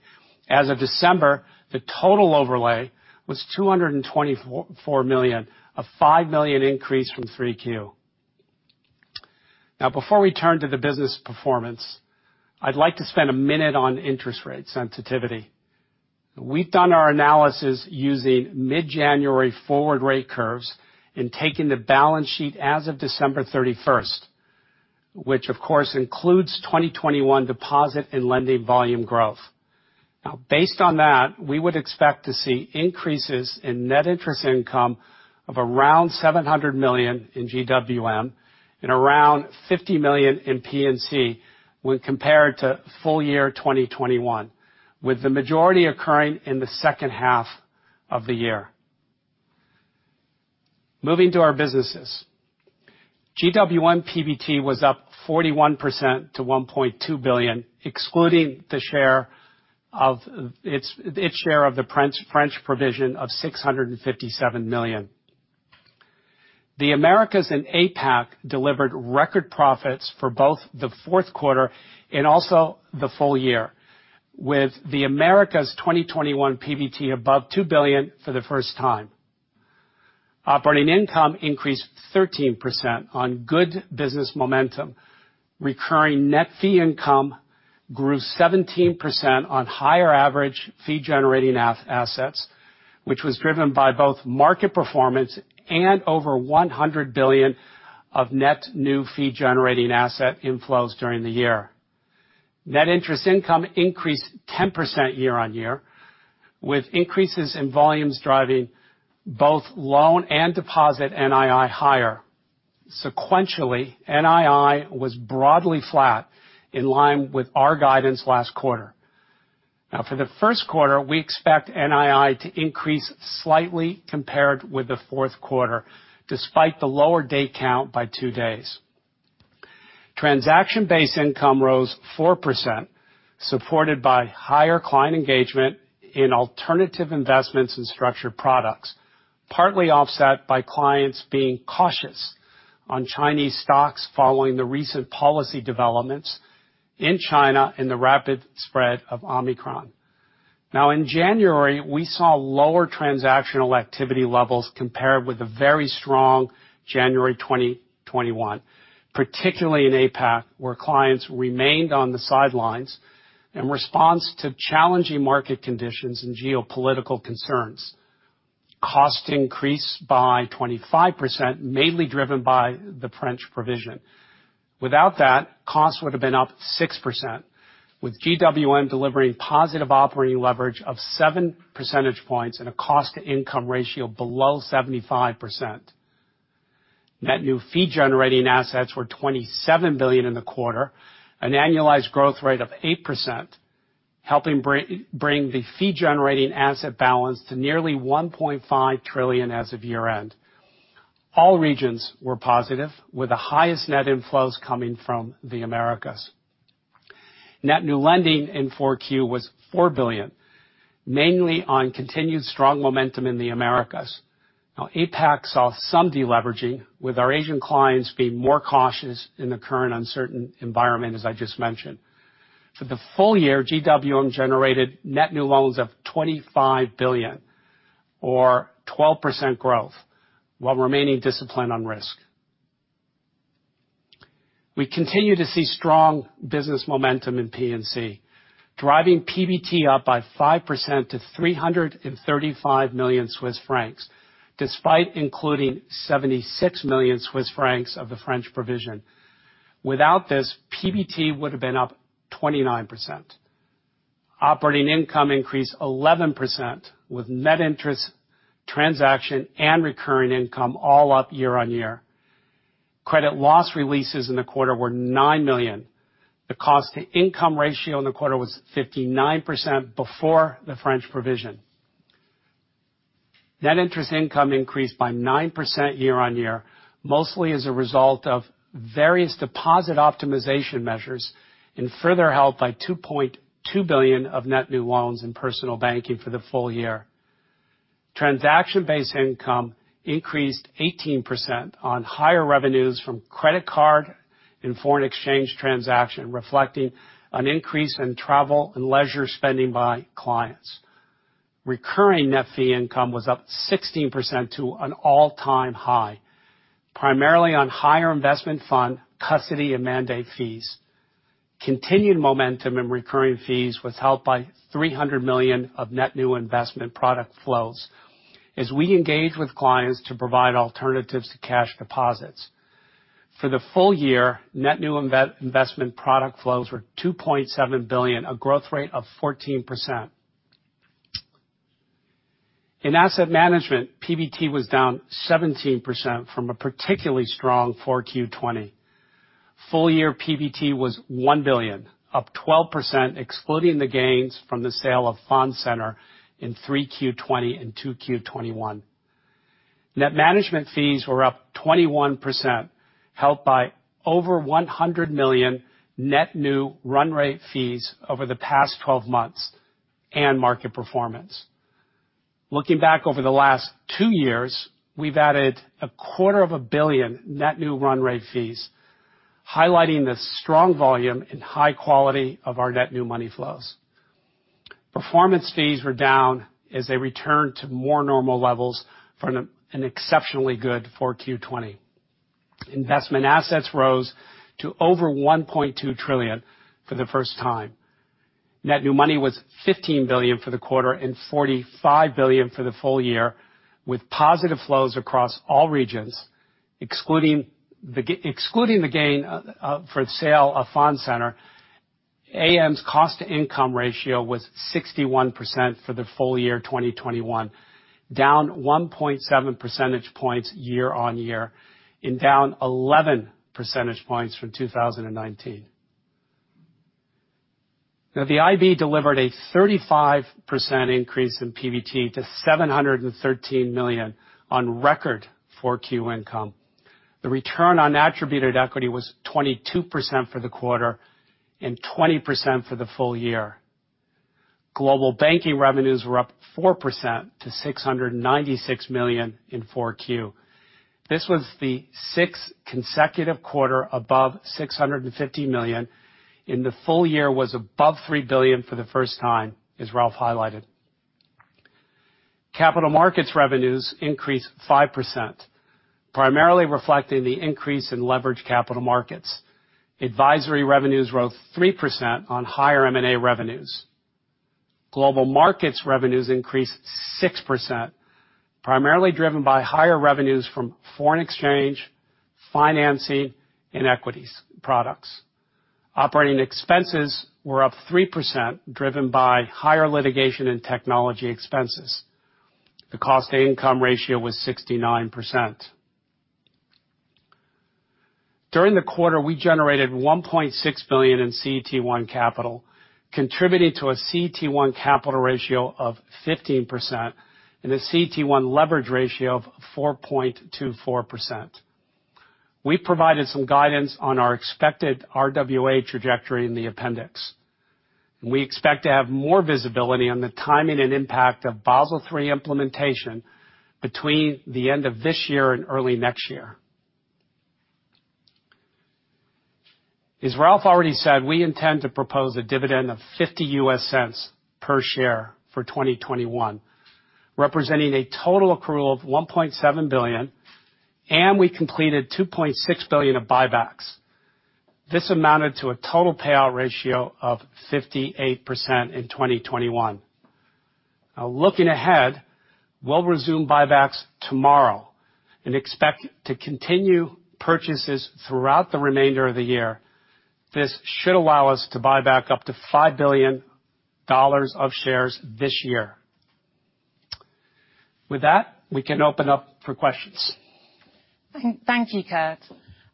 As of December, the total overlay was 224 million, a 5 million increase from 3Q. Before we turn to the business performance, I'd like to spend a minute on interest rate sensitivity. We've done our analysis using mid-January forward rate curves and taking the balance sheet as of December 31, which of course includes 2021 deposit and lending volume growth. Based on that, we would expect to see increases in net interest income of around 700 million in GWM and around 50 million in P&C when compared to full year 2021, with the majority occurring in the second half of the year. Moving to our businesses. GWM PBT was up 41% to 1.2 billion, excluding its share of the French provision of 657 million. The Americas and APAC delivered record profits for both the fourth quarter and also the full year, with the Americas 2021 PBT above $2 billion for the first time. Operating income increased 13% on good business momentum. Recurring net fee income grew 17% on higher average fee-generating assets, which was driven by both market performance and over $100 billion of net new fee-generating asset inflows during the year. Net interest income increased 10% year-on-year, with increases in volumes driving both loan and deposit NII higher. Sequentially, NII was broadly flat in line with our guidance last quarter. Now for the first quarter, we expect NII to increase slightly compared with the fourth quarter, despite the lower day count by two days. Transaction-based income rose 4%, supported by higher client engagement in alternative investments and structured products, partly offset by clients being cautious on Chinese stocks following the recent policy developments in China and the rapid spread of Omicron. Now in January, we saw lower transactional activity levels compared with the very strong January 2021, particularly in APAC, where clients remained on the sidelines in response to challenging market conditions and geopolitical concerns. Costs increased by 25%, mainly driven by the French provision. Without that, costs would have been up 6%, with GWM delivering positive operating leverage of 7 percentage points and a cost-to-income ratio below 75%. Net new fee-generating assets were 27 billion in the quarter, an annualized growth rate of 8%, helping bring the fee-generating asset balance to nearly 1.5 trillion as of year-end. All regions were positive, with the highest net inflows coming from the Americas. Net new lending in Q4 was 4 billion, mainly on continued strong momentum in the Americas. APAC saw some deleveraging, with our Asian clients being more cautious in the current uncertain environment, as I just mentioned. For the full year, GWM generated net new loans of 25 billion or 12% growth while remaining disciplined on risk. We continue to see strong business momentum in P&C, driving PBT up by 5% to 335 million Swiss francs, despite including 76 million Swiss francs of the French provision. Without this, PBT would have been up 29%. Operating income increased 11%, with net interest, transaction, and recurring income all up year-on-year. Credit loss releases in the quarter were 9 million. The cost-to-income ratio in the quarter was 59% before the French provision. Net interest income increased by 9% year-on-year, mostly as a result of various deposit optimization measures and further helped by 2.2 billion of net new loans in personal banking for the full year. Transaction-based income increased 18% on higher revenues from credit card and foreign exchange transaction, reflecting an increase in travel and leisure spending by clients. Recurring net fee income was up 16% to an all-time high, primarily on higher investment fund custody and mandate fees. Continued momentum in recurring fees was helped by 300 million of net new investment product flows as we engage with clients to provide alternatives to cash deposits. For the full year, net new investment product flows were 2.7 billion, a growth rate of 14%. In asset management, PBT was down 17% from a particularly strong 4Q 2020. Full year PBT was 1 billion, up 12% excluding the gains from the sale of Fondcenter in 3Q 2020 and 2Q 2021. Net management fees were up 21%, helped by over 100 million net new run rate fees over the past 12 months, and market performance. Looking back over the last 2 years, we've added a quarter of a billion net new run rate fees, highlighting the strong volume and high quality of our net new money flows. Performance fees were down as they returned to more normal levels from an exceptionally good 4Q 2020. Investment assets rose to over $1.2 trillion for the first time. Net new money was 15 billion for the quarter and 45 billion for the full year, with positive flows across all regions. Excluding the gain for the sale of Fondcenter, AM's cost to income ratio was 61% for the full year 2021, down 1.7 percentage points year-on-year and down 11 percentage points from 2019. Now the IB delivered a 35% increase in PBT to 713 million on record 4Q income. The return on attributed equity was 22% for the quarter and 20% for the full year. Global banking revenues were up 4% to 696 million in 4Q. This was the sixth consecutive quarter above 650 million, and the full year was above 3 billion for the first time, as Ralph highlighted. Capital markets revenues increased 5%, primarily reflecting the increase in leverage capital markets. Advisory revenues rose 3% on higher M&A revenues. Global markets revenues increased 6%, primarily driven by higher revenues from foreign exchange, financing, and equities products. Operating expenses were up 3%, driven by higher litigation and technology expenses. The cost to income ratio was 69%. During the quarter, we generated 1.6 billion in CET1 capital, contributing to a CET1 capital ratio of 15% and a CET1 leverage ratio of 4.24%. We provided some guidance on our expected RWA trajectory in the appendix. We expect to have more visibility on the timing and impact of Basel III implementation between the end of this year and early next year. As Ralph already said, we intend to propose a dividend of $0.50 per share for 2021, representing a total accrual of $1.7 billion, and we completed $2.6 billion of buybacks. This amounted to a total payout ratio of 58% in 2021. Now looking ahead, we'll resume buybacks tomorrow and expect to continue purchases throughout the remainder of the year. This should allow us to buy back up to $5 billion of shares this year. With that, we can open up for questions. Thank you, Kirt.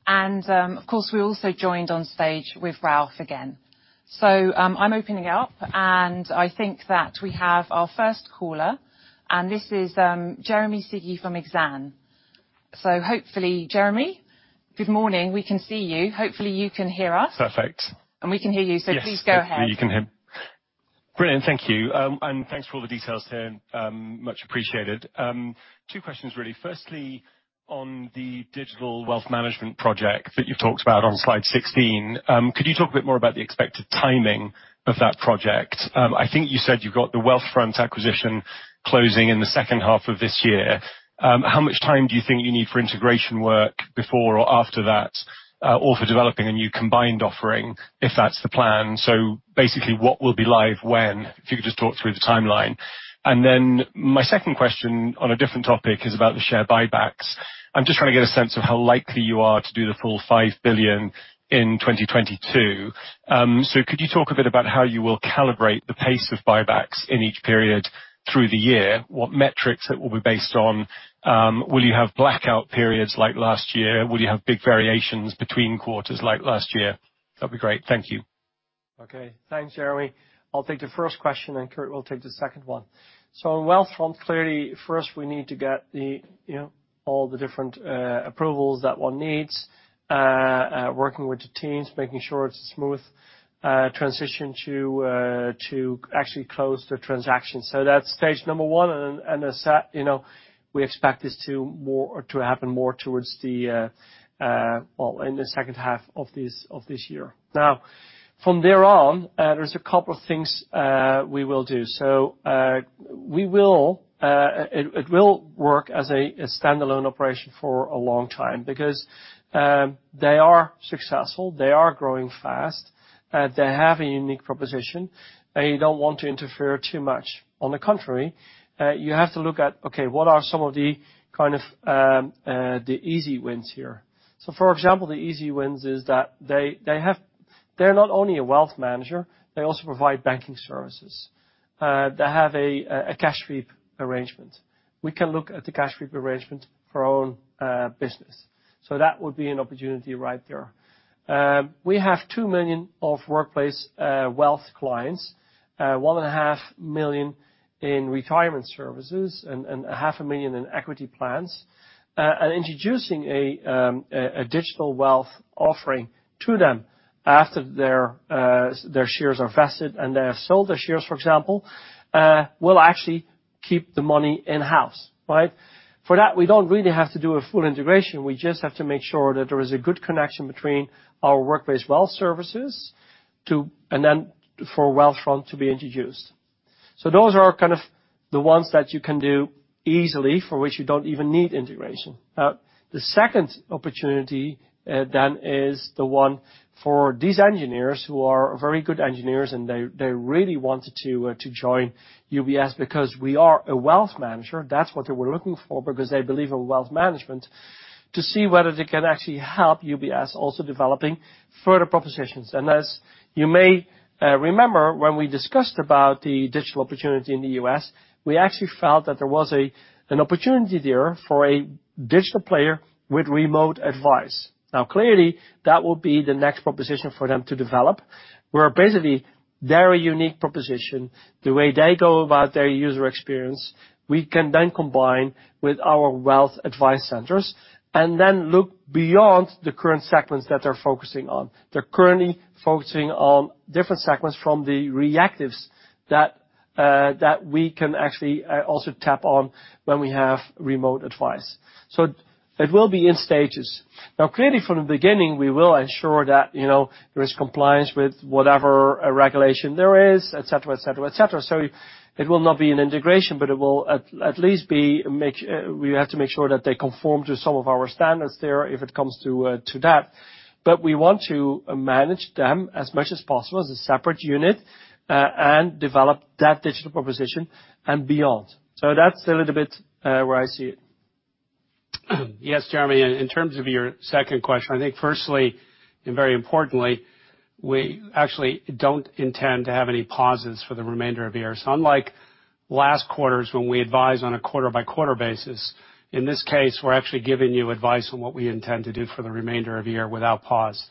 Of course, we're also joined on stage with Ralph again. I'm opening up, and I think that we have our first caller, and this is Jeremy Sigee from Exane. Hopefully, Jeremy, good morning. We can see you. Hopefully, you can hear us. Perfect. We can hear you. Yes. Please go ahead. You can hear me. Brilliant, thank you. Thanks for all the details here. Much appreciated. Two questions, really. Firstly, on the digital wealth management project that you've talked about on slide 16, could you talk a bit more about the expected timing of that project? I think you said you've got the Wealthfront acquisition closing in the second half of this year. How much time do you think you need for integration work before or after that, or for developing a new combined offering, if that's the plan? Basically, what will be live when? If you could just talk through the timeline. My second question, on a different topic, is about the share buybacks. I'm just trying to get a sense of how likely you are to do the full 5 billion in 2022. Could you talk a bit about how you will calibrate the pace of buybacks in each period through the year? What metrics it will be based on? Will you have blackout periods like last year? Will you have big variations between quarters like last year? That'd be great. Thank you. Okay. Thanks, Jeremy. I'll take the first question, and Kirt will take the second one. On Wealthfront, clearly, first we need to get the, you know, all the different approvals that one needs, working with the teams, making sure it's a smooth transition to actually close the transaction. That's stage number one. You know, we expect this to happen more towards the, well, in the second half of this year. Now, from there on, there's a couple of things we will do. It will work as a standalone operation for a long time because they are successful, they are growing fast, they have a unique proposition, and you don't want to interfere too much. On the contrary, you have to look at, okay, what are some of the kind of, the easy wins here? For example, the easy wins is that they have. They're not only a wealth manager, they also provide banking services. They have a cash sweep arrangement. We can look at the cash sweep arrangement for our own business. That would be an opportunity right there. We have 2 million workplace wealth clients, 1.5 million in retirement services and half a million in equity plans. And introducing a digital wealth offering to them after their shares are vested and they have sold their shares, for example, we'll actually keep the money in-house, right? For that, we don't really have to do a full integration. We just have to make sure that there is a good connection between our workplace wealth services and then for Wealthfront to be introduced. Those are kind of the ones that you can do easily for which you don't even need integration. The second opportunity then is the one for these engineers who are very good engineers, and they really wanted to join UBS because we are a wealth manager. That's what they were looking for, because they believe in wealth management, to see whether they can actually help UBS also developing further propositions. As you may remember when we discussed about the digital opportunity in the U.S., we actually felt that there was an opportunity there for a digital player with remote advice. Now, clearly, that would be the next proposition for them to develop, where basically their unique proposition, the way they go about their user experience, we can then combine with our wealth advice centers and then look beyond the current segments that they're focusing on. They're currently focusing on different segments from the reactives that we can actually also tap on when we have remote advice. It will be in stages. Now, clearly from the beginning, we will ensure that, you know, there is compliance with whatever regulation there is, et cetera, et cetera, et cetera. It will not be an integration, but it will at least, we have to make sure that they conform to some of our standards there if it comes to that. We want to manage them as much as possible as a separate unit, and develop that digital proposition and beyond. That's a little bit where I see it. Yes, Jeremy, in terms of your second question, I think firstly, and very importantly, we actually don't intend to have any pauses for the remainder of the year. Unlike last quarters, when we advise on a quarter-by-quarter basis, in this case, we're actually giving you advice on what we intend to do for the remainder of the year without pause.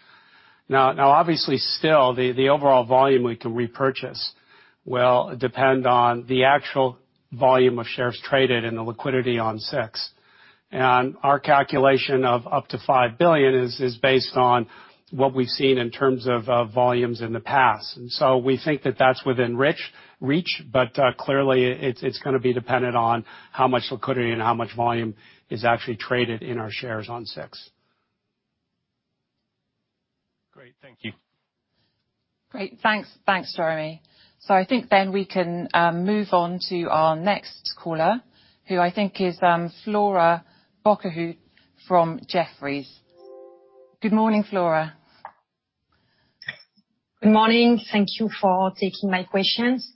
Now obviously still, the overall volume we can repurchase will depend on the actual volume of shares traded and the liquidity on SIX. Our calculation of up to 5 billion is based on what we've seen in terms of volumes in the past. We think that that's within reach, but clearly it's gonna be dependent on how much liquidity and how much volume is actually traded in our shares on SIX. Great. Thank you. Great. Thanks, Jeremy. I think then we can move on to our next caller, who I think is Flora Bocahut from Jefferies. Good morning, Flora. Good morning. Thank you for taking my questions.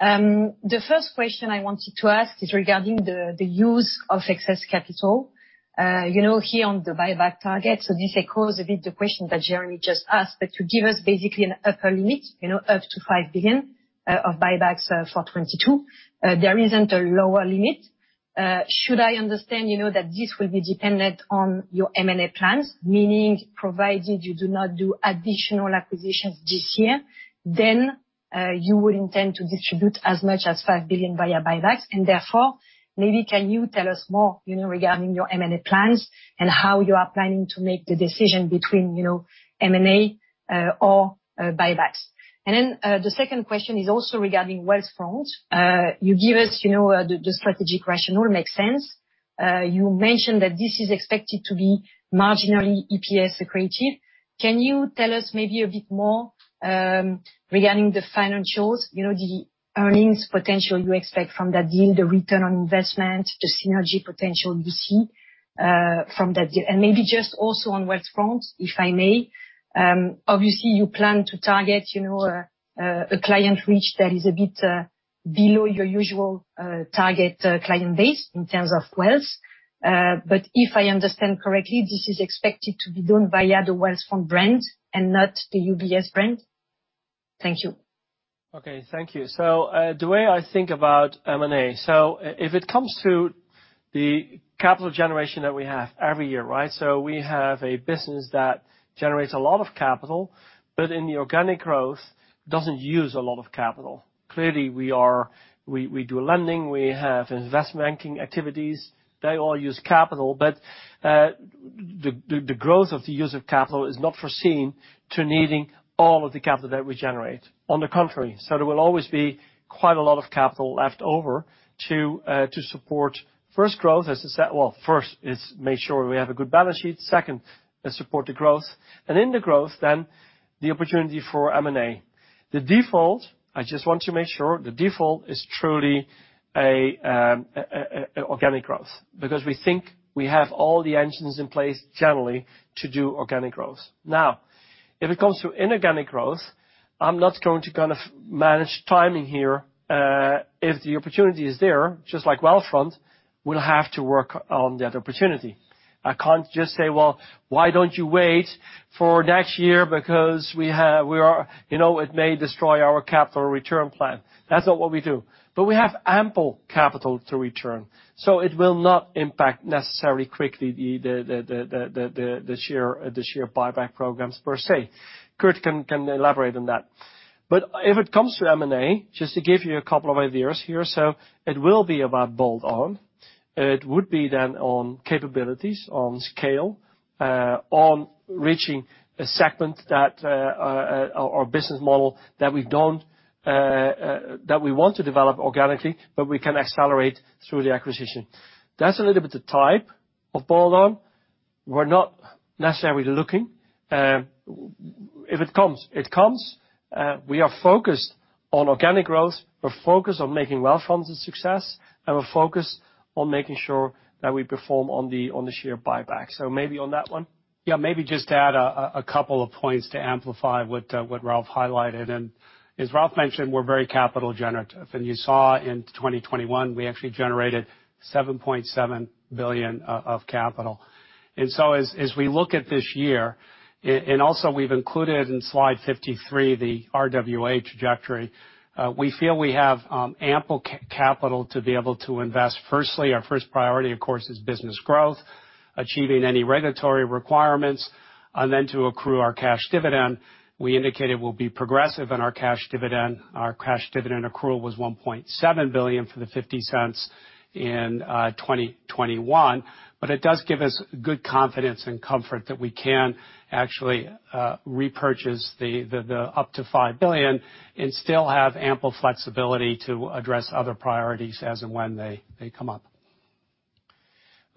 The first question I wanted to ask is regarding the use of excess capital. You know, here on the buyback target, so this echoes a bit the question that Jeremy just asked. To give us basically an upper limit, you know, up to $5 billion of buybacks for 2022, there isn't a lower limit. Should I understand, you know, that this will be dependent on your M&A plans, meaning provided you do not do additional acquisitions this year, then you would intend to distribute as much as $5 billion via buybacks, and therefore, maybe can you tell us more, you know, regarding your M&A plans and how you are planning to make the decision between, you know, M&A or buybacks? The second question is also regarding Wealthfront. You give us, you know, the strategic rationale makes sense. You mentioned that this is expected to be marginally EPS accretive. Can you tell us maybe a bit more regarding the financials, you know, the earnings potential you expect from that deal, the return on investment, the synergy potential you see from that deal? Maybe just also on Wealthfront, if I may, obviously you plan to target, you know, a client reach that is a bit below your usual target client base in terms of wealth. But if I understand correctly, this is expected to be done via the Wealthfront brand and not the UBS brand? Thank you. Okay, thank you. The way I think about M&A, if it comes to the capital generation that we have every year, right? We have a business that generates a lot of capital, but in the organic growth doesn't use a lot of capital. Clearly, we do lending, we have investment banking activities. They all use capital, but the growth of the use of capital is not foreseen to needing all of the capital that we generate. On the contrary, there will always be quite a lot of capital left over to support first growth, as I said. Well, first, it's make sure we have a good balance sheet. Second, support the growth. In the growth then the opportunity for M&A. The default, I just want to make sure, the default is truly an organic growth, because we think we have all the engines in place generally to do organic growth. Now, if it comes to inorganic growth, I'm not going to kind of manage timing here. If the opportunity is there, just like Wealthfront, we'll have to work on that opportunity. I can't just say, "Well, why don't you wait for next year because, you know, it may destroy our capital return plan." That's not what we do. We have ample capital to return, so it will not impact necessarily quickly the share buyback programs per se. Kirt can elaborate on that. If it comes to M&A, just to give you a couple of ideas here. It will be about bolt-on. It would be then on capabilities, on scale, on reaching a segment that or business model that we want to develop organically, but we can accelerate through the acquisition. That's a little bit the type of bolt-on. We're not necessarily looking. If it comes, it comes. We are focused on organic growth. We're focused on making Wealthfront a success, and we're focused on making sure that we perform on the share buyback. Maybe on that one. Yeah, maybe just add a couple of points to amplify what Ralph highlighted. As Ralph mentioned, we're very capital generative. You saw in 2021, we actually generated 7.7 billion of capital. So as we look at this year, and also we've included in slide 53, the RWA trajectory, we feel we have ample capital to be able to invest. Firstly, our first priority, of course, is business growth, achieving any regulatory requirements, and then to accrue our cash dividend. We indicated we'll be progressive in our cash dividend. Our cash dividend accrual was 1.7 billion for the 0.50 in 2021, but it does give us good confidence and comfort that we can actually repurchase the up to 5 billion and still have ample flexibility to address other priorities as and when they come up.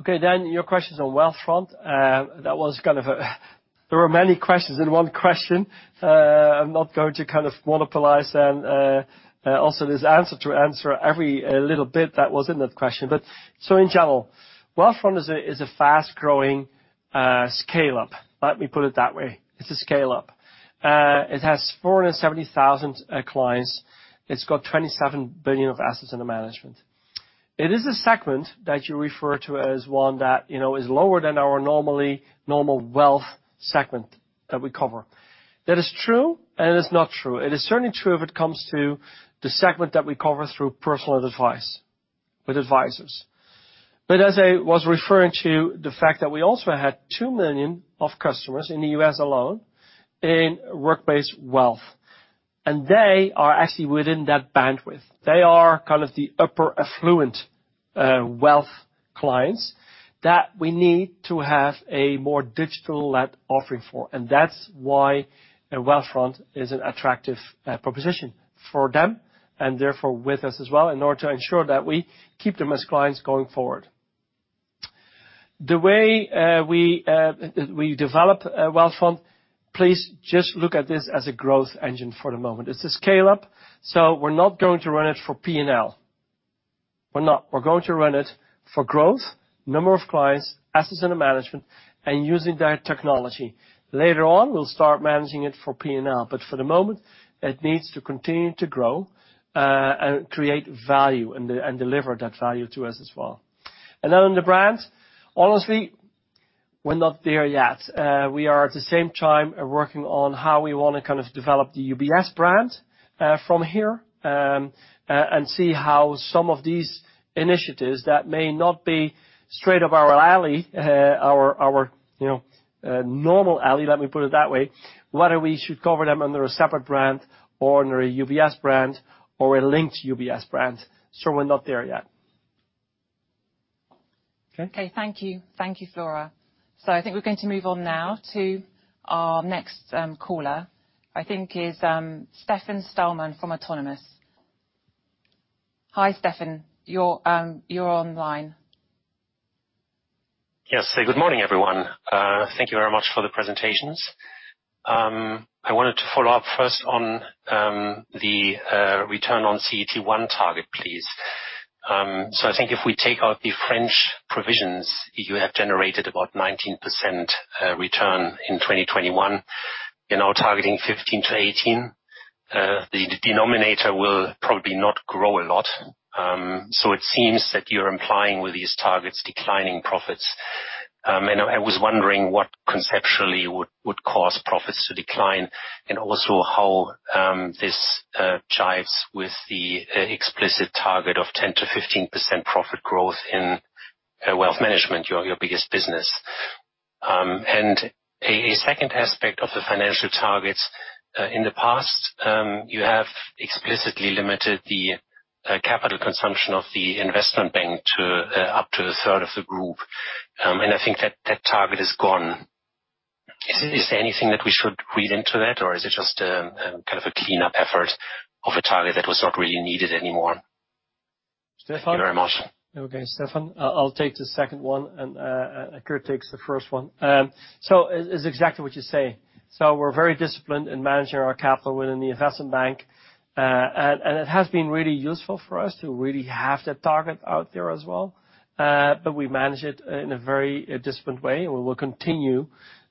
Okay, your questions on Wealthfront. There were many questions in one question. I'm not going to kind of monopolize and also this answer to answer every little bit that was in that question. In general, Wealthfront is a fast-growing scale-up. Let me put it that way. It's a scale-up. It has 470,000 clients. It's got $27 billion of assets under management. It is a segment that you refer to as one that, you know, is lower than our normal wealth segment that we cover. That is true, and it's not true. It is certainly true if it comes to the segment that we cover through personal advice with advisors. As I was referring to the fact that we also had 2 million customers in the U.S. alone in work-based wealth, and they are actually within that bandwidth. They are kind of the upper affluent wealth clients that we need to have a more digital-led offering for. That's why Wealthfront is an attractive proposition for them, and therefore with us as well, in order to ensure that we keep them as clients going forward. The way we develop Wealthfront, please just look at this as a growth engine for the moment. It's a scale-up, so we're not going to run it for P&L. We're not. We're going to run it for growth, number of clients, assets under management, and using their technology. Later on, we'll start managing it for P&L, but for the moment, it needs to continue to grow, and create value and deliver that value to us as well. Then on the brand, honestly, we're not there yet. We are at the same time working on how we wanna kind of develop the UBS brand, from here, and see how some of these initiatives that may not be straight up our alley, our you know normal alley, let me put it that way, whether we should cover them under a separate brand or under a UBS brand or a linked UBS brand. We're not there yet. Okay. Okay. Thank you. Thank you, Flora. I think we're going to move on now to our next caller, who I think is Stefan Stalmann from Autonomous. Hi, Stefan. You're online. Yes. Good morning, everyone. Thank you very much for the presentations. I wanted to follow up first on the return on CET1 target, please. So I think if we take out the French provisions, you have generated about 19% return in 2021. You're now targeting 15%-18%. The denominator will probably not grow a lot, so it seems that you're implying with these targets declining profits. I was wondering what conceptually would cause profits to decline and also how this jives with the explicit target of 10%-15% profit growth in wealth management, your biggest business. A second aspect of the financial targets. In the past, you have explicitly limited the capital consumption of the investment bank to up to a third of the group. I think that target is gone. Mm. Is there anything that we should read into that, or is it just kind of a cleanup effort of a target that was not really needed anymore? Stefan? Thank you very much. Okay, Stefan. I'll take the second one, and Kirt takes the first one. It's exactly what you say. We're very disciplined in managing our capital within the investment bank. It has been really useful for us to really have that target out there as well. We manage it in a very disciplined way, and we will continue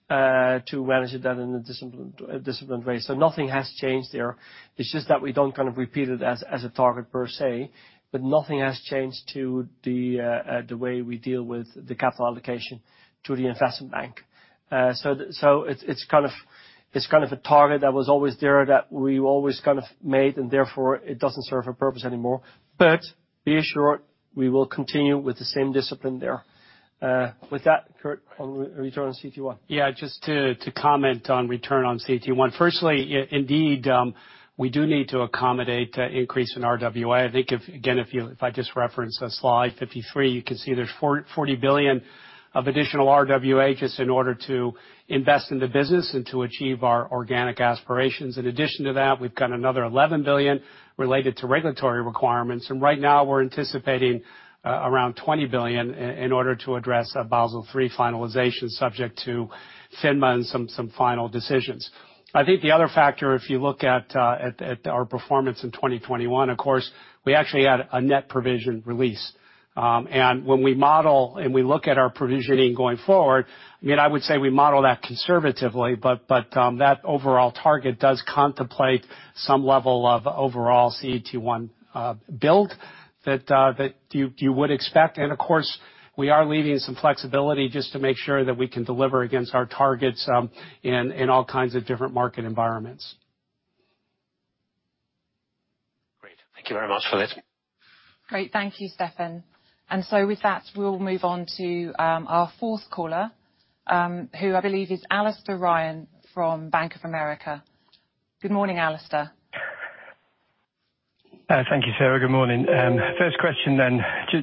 to manage it in a disciplined way. Nothing has changed there. It's just that we don't kind of repeat it as a target per se, but nothing has changed to the way we deal with the capital allocation to the investment bank. It's kind of a target that was always there, that we've always kind of made, and therefore it doesn't serve a purpose anymore. Be assured we will continue with the same discipline there. With that, Kirt, on return on CET1. Yeah. Just to comment on return on CET1. Firstly, indeed, we do need to accommodate the increase in RWA. I think again, if I just reference the slide 53, you can see there's 40 billion of additional RWA just in order to invest in the business and to achieve our organic aspirations. In addition to that, we've got another CHF 11 billion related to regulatory requirements. Right now we're anticipating around CHF 20 billion in order to address a Basel III finalization subject to FINMA and some final decisions. I think the other factor, if you look at our performance in 2021, of course, we actually had a net provision release. When we model and we look at our provisioning going forward, I mean, I would say we model that conservatively, but that overall target does contemplate some level of overall CET1 build that you would expect. Of course we are leaving some flexibility just to make sure that we can deliver against our targets in all kinds of different market environ ments. Great. Thank you very much, Philippe. Great. Thank you, Stefan. With that, we'll move on to our fourth caller, who I believe is Alastair Ryan from Bank of America. Good morning, Alastair. Thank you, Sarah. Good morning. First question then,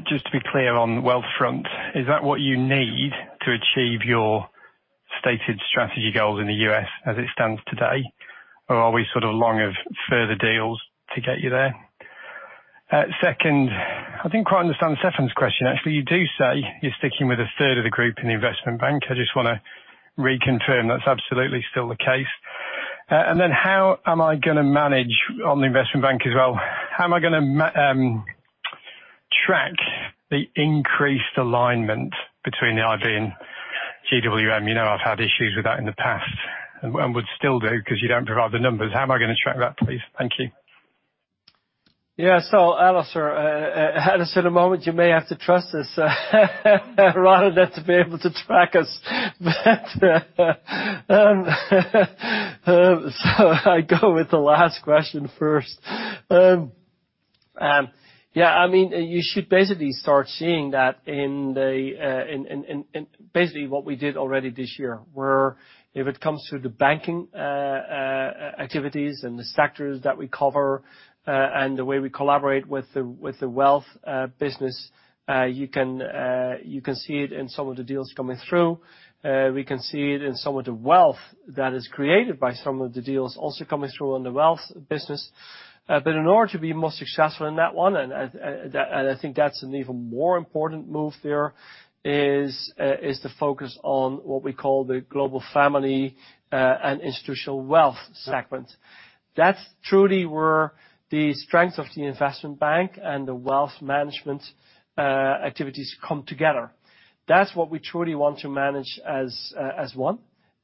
just to be clear on Wealthfront, is that what you need to achieve your stated strategy goals in the U.S. as it stands today? Or are we sort of long on further deals to get you there? Second, I didn't quite understand Stefan's question. Actually, you do say you're sticking with a third of the group in the investment bank. I just wanna reconfirm. That's absolutely still the case. And then how am I gonna manage on the investment bank as well? How am I gonna track the increased alignment between the IB and GWM? You know, I've had issues with that in the past and would still do 'cause you don't provide the numbers. How am I gonna track that, please? Thank you. Yeah. Alastair, in a moment, you may have to trust us rather than to be able to track us. I go with the last question first. Yeah, I mean, you should basically start seeing that in basically what we did already this year. Where if it comes to the banking activities and the sectors that we cover, and the way we collaborate with the wealth business, you can see it in some of the deals coming through. We can see it in some of the wealth that is created by some of the deals also coming through on the wealth business. In order to be more successful in that one, and that... I think that's an even more important move there, is the focus on what we call the global family and institutional wealth segment. That's truly where the strength of the investment bank and the wealth management activities come together. That's what we truly want to manage as one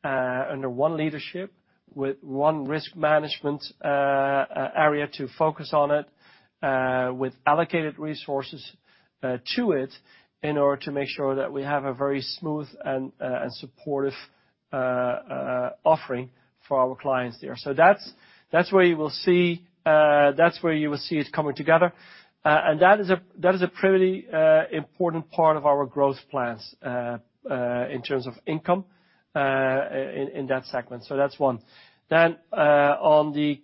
under one leadership with one risk management area to focus on it with allocated resources to it in order to make sure that we have a very smooth and supportive offering for our clients there. That's where you will see it coming together. That is a pretty important part of our growth plans in terms of income in that segment. That's one. On the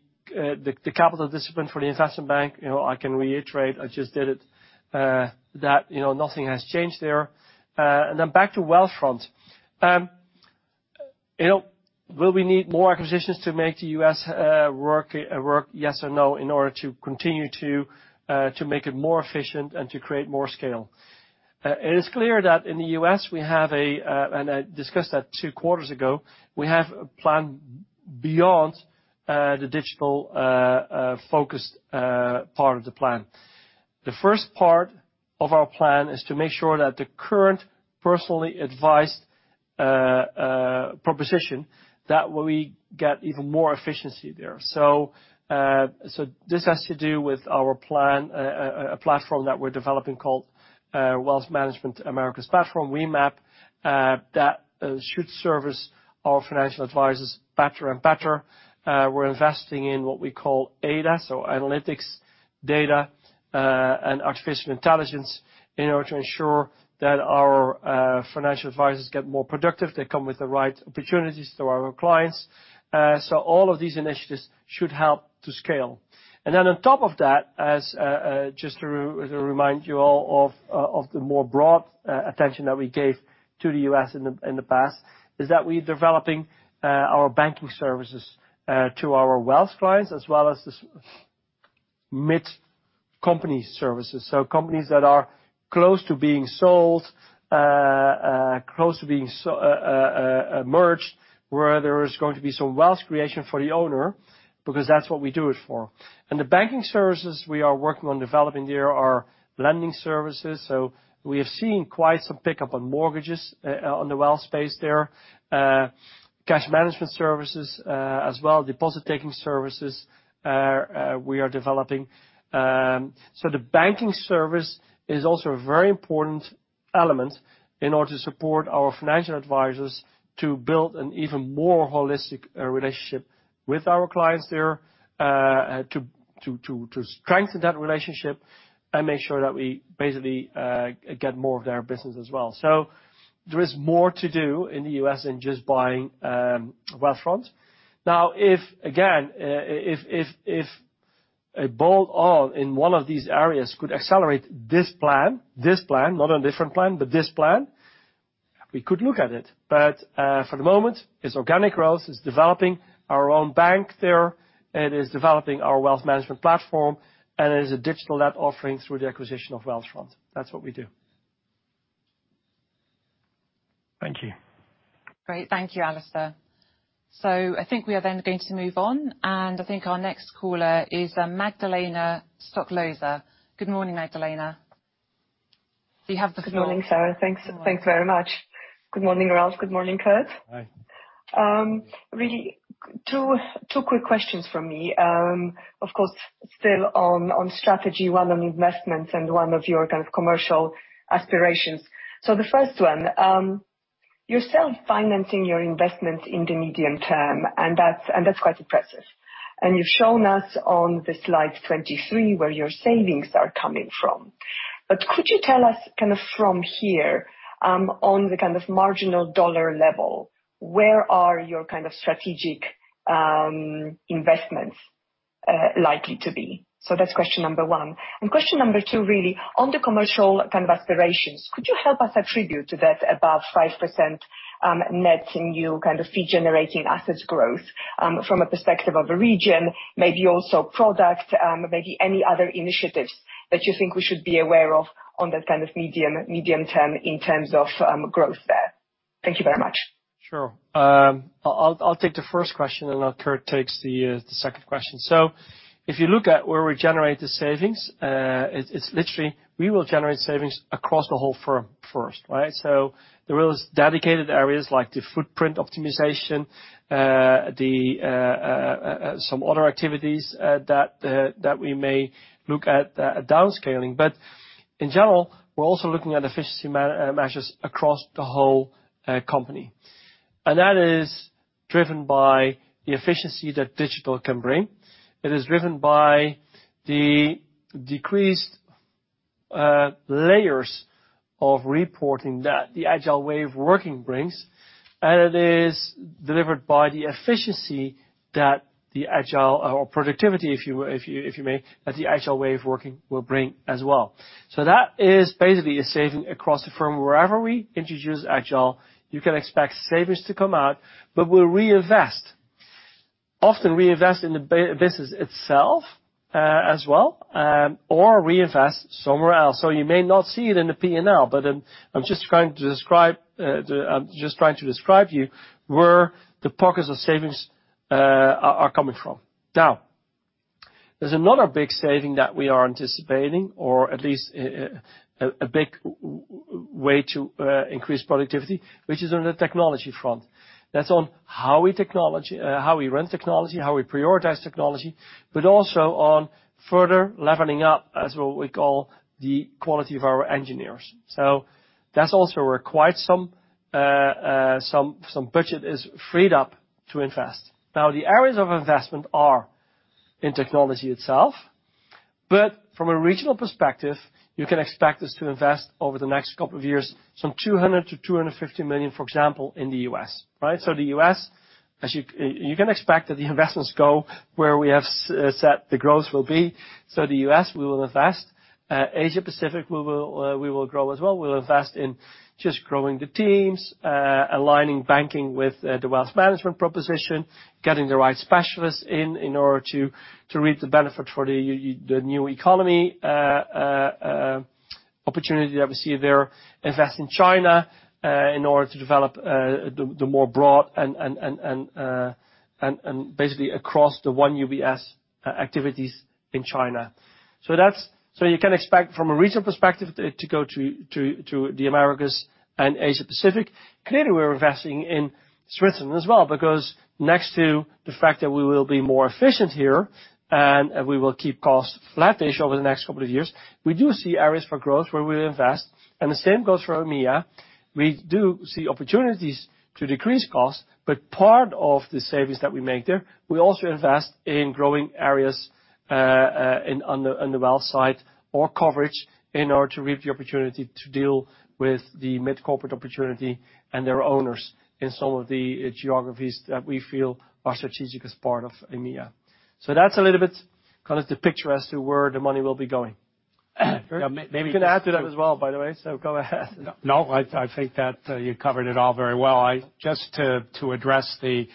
capital discipline for the investment bank, you know, I can reiterate, I just did it, that, you know, nothing has changed there. Back to Wealthfront. You know, will we need more acquisitions to make the U.S. work, yes or no, in order to continue to make it more efficient and to create more scale? It is clear that in the U.S., I discussed that two quarters ago, we have a plan beyond the digital focused part of the plan. The first part of our plan is to make sure that the current personally advised proposition, that we get even more efficiency there. This has to do with our plan, a platform that we're developing called Wealth Management Americas Platform, WMAP, that should service our financial advisors better and better. We're investing in what we call ADA, so analytics, data, and artificial intelligence in order to ensure that our financial advisors get more productive. They come with the right opportunities to our clients. All of these initiatives should help to scale. Then on top of that, just to remind you all of the more broad attention that we gave to the U.S. in the past, is that we're developing our banking services to our wealth clients as well as this mid-company services. Companies that are close to being sold or merged, where there is going to be some wealth creation for the owner, because that's what we do it for. The banking services we are working on developing, there are lending services. We have seen quite some pickup on mortgages on the wealth space there. Cash management services, as well as deposit taking services, we are developing. The banking service is also a very important element in order to support our financial advisors to build an even more holistic relationship with our clients there, to strengthen that relationship and make sure that we basically get more of their business as well. There is more to do in the U.S. than just buying Wealthfront. Now, if again, if a bolt-on in one of these areas could accelerate this plan, not a different plan, but this plan, we could look at it. For the moment, it's organic growth, it's developing our own bank there, it is developing our wealth management platform, and it is a digital lab offering through the acquisition of Wealthfront. That's what we do. Thank you. Great. Thank you, Alastair. I think we are then going to move on, and I think our next caller is Magdalena Stoklosa. Good morning, Magdalena. Do you have the floor? Good morning, Sarah. Thanks. Thanks very much. Good morning, Ralph. Good morning, Kirt. Hi. Really two quick questions from me. Of course, still on strategy, one on investments and one of your kind of commercial aspirations. The first one, you're self-financing your investment in the medium term, and that's quite impressive. You've shown us on the slide 23 where your savings are coming from. Could you tell us kind of from here, on the kind of marginal dollar level, where are your kind of strategic investments likely to be? That's question number one. Question number 2, really, on the commercial kind of aspirations, could you help us attribute to that above 5%, net new fee-generating assets growth, from a perspective of a region, maybe also product, maybe any other initiatives that you think we should be aware of on that kind of medium-term in terms of, growth there? Thank you very much. Sure. I'll take the first question and then Kirt takes the second question. If you look at where we generate the savings, it's literally we will generate savings across the whole firm first, right? There is dedicated areas like the footprint optimization, some other activities that we may look at, downscaling. In general, we're also looking at efficiency measures across the whole company. That is driven by the efficiency that digital can bring. It is driven by the decreased layers of reporting that the agile way of working brings, and it is delivered by the efficiency that the agile or productivity, if you may, that the agile way of working will bring as well. That is basically a saving across the firm. Wherever we introduce agile, you can expect savings to come out, but we'll reinvest. Often reinvest in the business itself, as well, or reinvest somewhere else. You may not see it in the P&L, but I'm just trying to describe to you where the pockets of savings are coming from. Now, there's another big saving that we are anticipating or at least a big way to increase productivity, which is on the technology front. That's on how we do technology, how we run technology, how we prioritize technology, but also on further leveling up of what we call the quality of our engineers. That's also where quite some budget is freed up to invest. Now, the areas of investment are in technology itself, but from a regional perspective, you can expect us to invest over the next couple of years, some $200 million-$250 million, for example, in the U.S., right? The U.S., as you can expect that the investments go where we have set the growth will be. The U.S., we will invest. Asia-Pacific, we will grow as well. We'll invest in just growing the teams, aligning banking with the wealth management proposition, getting the right specialists in order to reap the benefit for the new economy opportunity that we see there. Invest in China, in order to develop the more broad and basically across the one UBS activities in China. You can expect from a regional perspective to go to the Americas and Asia-Pacific. Clearly, we're investing in Switzerland as well because next to the fact that we will be more efficient here and we will keep costs flat-ish over the next couple of years, we do see areas for growth where we invest, and the same goes for EMEA. We do see opportunities to decrease costs, but part of the savings that we make there, we also invest in growing areas in on the wealth side or coverage in order to reap the opportunity to deal with the mid-corporate opportunity and their owners in some of the geographies that we feel are strategic as part of EMEA. That's a little bit kind of the picture as to where the money will be going. You can add to that as well, by the way, so go ahead. No, I think that you covered it all very well. Just to address the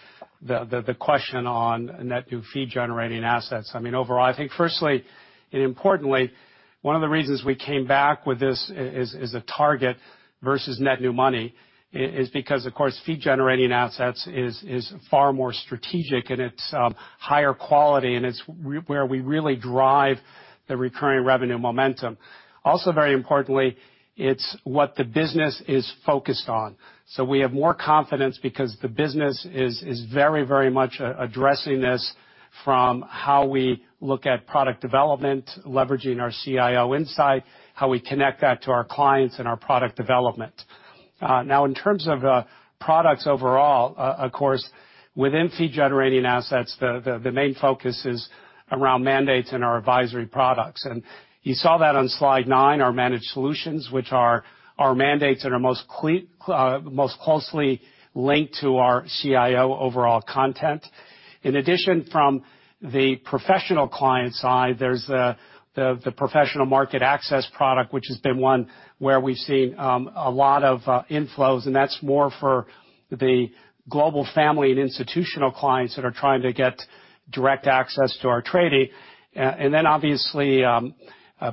question on net new fee-generating assets. I mean, overall, I think firstly and importantly, one of the reasons we came back with this is a target versus net new money is because, of course, fee-generating assets is far more strategic and it's higher quality, and it's where we really drive the recurring revenue momentum. Also, very importantly, it's what the business is focused on. We have more confidence because the business is very much addressing this from how we look at product development, leveraging our CIO insight, how we connect that to our clients and our product development. Now in terms of products overall, of course, within fee-generating assets, the main focus is around mandates and our advisory products. You saw that on slide 9, our managed solutions, which are our mandates that are most closely linked to our CIO overall content. In addition, from the professional client side, there's the professional market access product, which has been one where we've seen a lot of inflows, and that's more for the global family and institutional clients that are trying to get direct access to our trading. Obviously,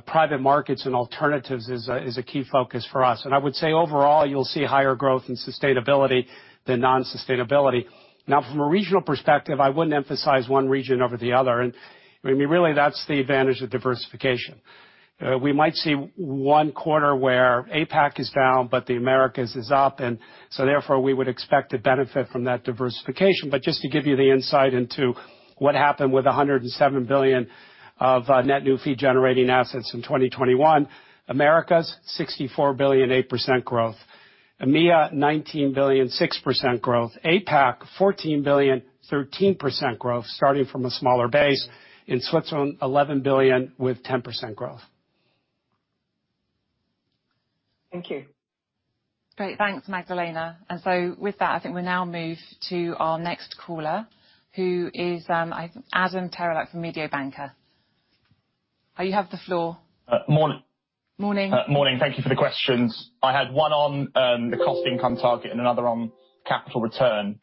private markets and alternatives is a key focus for us. I would say overall, you'll see higher growth and sustainability than non-sustainability. Now, from a regional perspective, I wouldn't emphasize one region over the other. I mean, really, that's the advantage of diversification. We might see one quarter where APAC is down, but the Americas is up, and so therefore we would expect to benefit from that diversification. Just to give you the insight into what happened with $107 billion of net new fee-generating assets in 2021. Americas, $64 billion, 8% growth. EMEA, $19 billion, 6% growth. APAC, $14 billion, 13% growth, starting from a smaller base. In Switzerland, $11 billion with 10% growth. Thank you. Great. Thanks, Magdalena. With that, I think we now move to our next caller, who is, I think Adam Terelak from Mediobanca. You have the floor. Morning. Morning. Morning. Thank you for the questions. I had one on the cost income target and another on capital return.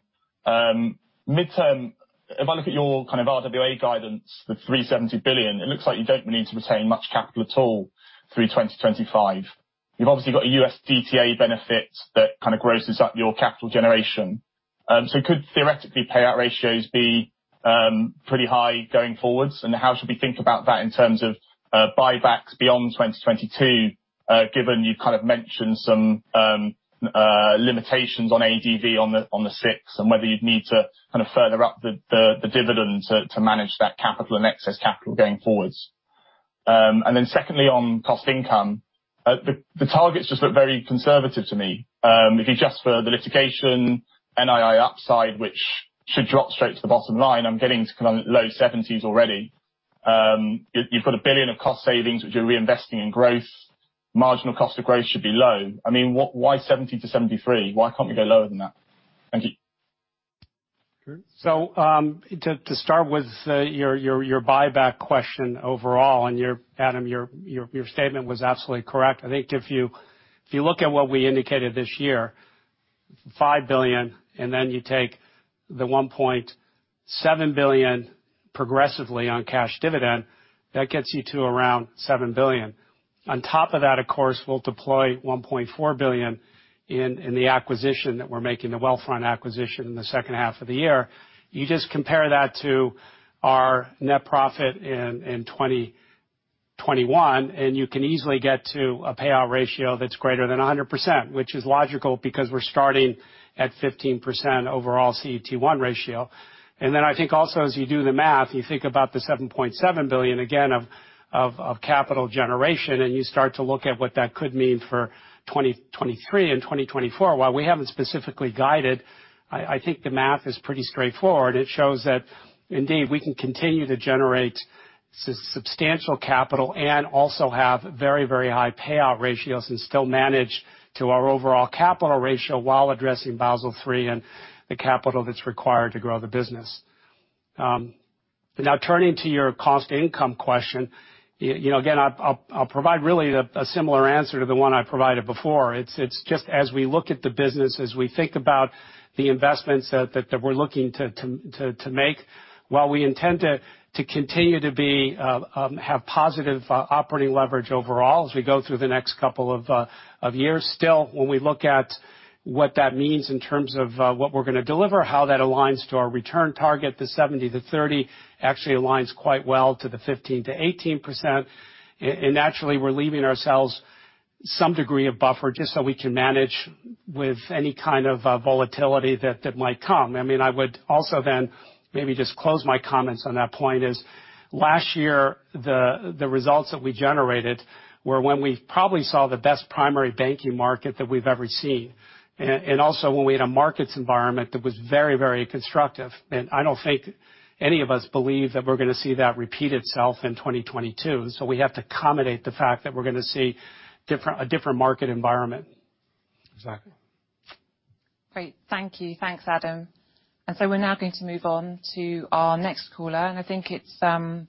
Midterm, if I look at your kind of RWA guidance, the 370 billion, it looks like you don't need to retain much capital at all through 2025. You've obviously got a US DTA benefit that kind of grosses up your capital generation. So could theoretically payout ratios be pretty high going forwards? And how should we think about that in terms of buybacks beyond 2022, given you kind of mentioned some limitations on ADV on the SIX, and whether you'd need to kind of further up the dividend to manage that capital and excess capital going forwards. And then secondly, on cost income, the targets just look very conservative to me. If you adjust for the litigation, NII upside, which should drop straight to the bottom line, I'm getting to kind of low 70s% already. You've got 1 billion of cost savings which you're reinvesting in growth. Marginal cost of growth should be low. I mean, why 70%-73%? Why can't we go lower than that? Thank you. To start with, your buyback question overall, and your Adam, your statement was absolutely correct. I think if you look at what we indicated this year, 5 billion, and then you take the 1.7 billion progressively on cash dividend, that gets you to around 7 billion. On top of that, of course, we'll deploy $1.4 billion in the acquisition that we're making, the Wealthfront acquisition in the second half of the year. You just compare that to our net profit in 2021, and you can easily get to a payout ratio that's greater than 100%, which is logical because we're starting at 15% overall CET1 ratio. I think also, as you do the math, you think about the 7.7 billion again of capital generation, and you start to look at what that could mean for 2023 and 2024. While we haven't specifically guided, I think the math is pretty straightforward. It shows that indeed, we can continue to generate substantial capital and also have very, very high payout ratios and still manage to our overall capital ratio while addressing Basel III and the capital that's required to grow the business. Now turning to your cost income question. You know, again, I'll provide really a similar answer to the one I provided before. It's just as we look at the business, as we think about the investments that we're looking to make, while we intend to continue to have positive operating leverage overall as we go through the next couple of years. Still, when we look at what that means in terms of what we're gonna deliver, how that aligns to our return target, the 70%-30% actually aligns quite well to the 15%-18%. And naturally, we're leaving ourselves some degree of buffer just so we can manage with any kind of volatility that might come. I mean, I would also then maybe just close my comments on that point is, last year, the results that we generated were when we probably saw the best primary banking market that we've ever seen, and also when we had a markets environment that was very, very constructive. I don't think any of us believe that we're gonna see that repeat itself in 2022. We have to accommodate the fact that we're gonna see a different market environment. Exactly. Great. Thank you. Thanks, Adam. We're now going to move on to our next caller, and I think it's Kian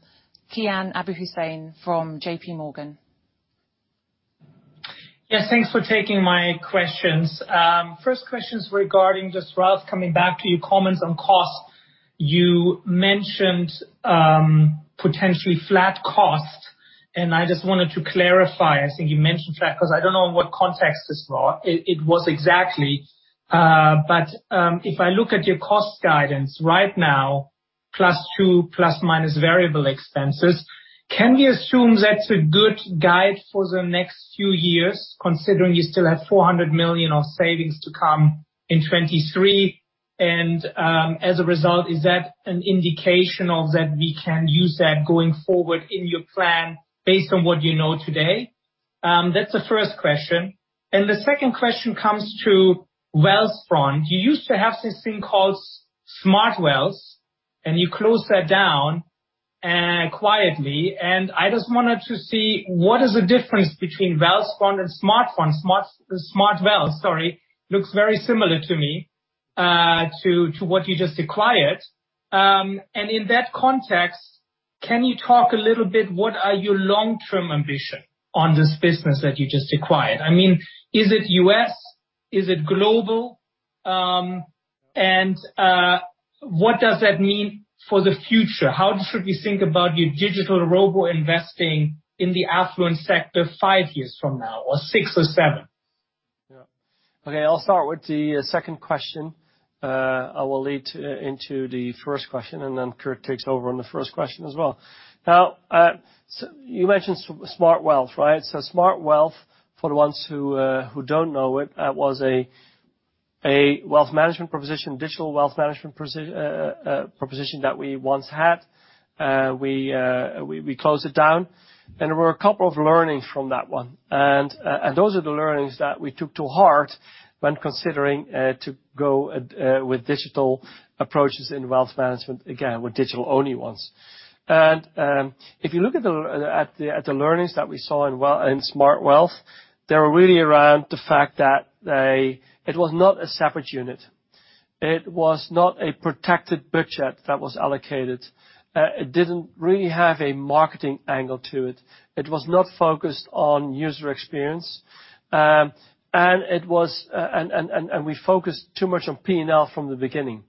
Abouhossein from JP Morgan. Yes, thanks for taking my questions. First question is regarding just Ralph coming back to your comments on costs. You mentioned potentially flat costs, and I just wanted to clarify. I think you mentioned flat because I don't know in what context this was. It was exactly. If I look at your cost guidance right now, +2% +/- variable expenses, can we assume that's a good guide for the next few years, considering you still have 400 million of savings to come in 2023? As a result, is that an indication that we can use that going forward in your plan based on what you know today? That's the first question. The second question comes to Wealthfront. You used to have this thing called SmartWealth, and you closed that down quietly. I just wanted to see what is the difference between Wealthfront and UBS SmartWealth. Smart Wealth, sorry. Looks very similar to me, to what you just acquired. In that context, can you talk a little bit what are your long-term ambition on this business that you just acquired? I mean, is it U.S.? Is it global? What does that mean for the future? How should we think about your digital robo investing in the affluent sector five years from now, or six or seven? Okay, I'll start with the second question. I will lead into the first question, and then Kirt takes over on the first question as well. Now, you mentioned SmartWealth, right? SmartWealth, for the ones who don't know it, was a wealth management proposition, digital wealth management proposition that we once had. We closed it down, and there were a couple of learnings from that one. Those are the learnings that we took to heart when considering to go with digital approaches in wealth management, again, with digital-only ones. If you look at the learnings that we saw in SmartWealth, they were really around the fact that they. It was not a separate unit. It was not a protected budget that was allocated. It didn't really have a marketing angle to it. It was not focused on user experience. It was, we focused too much on P&L from the beginning.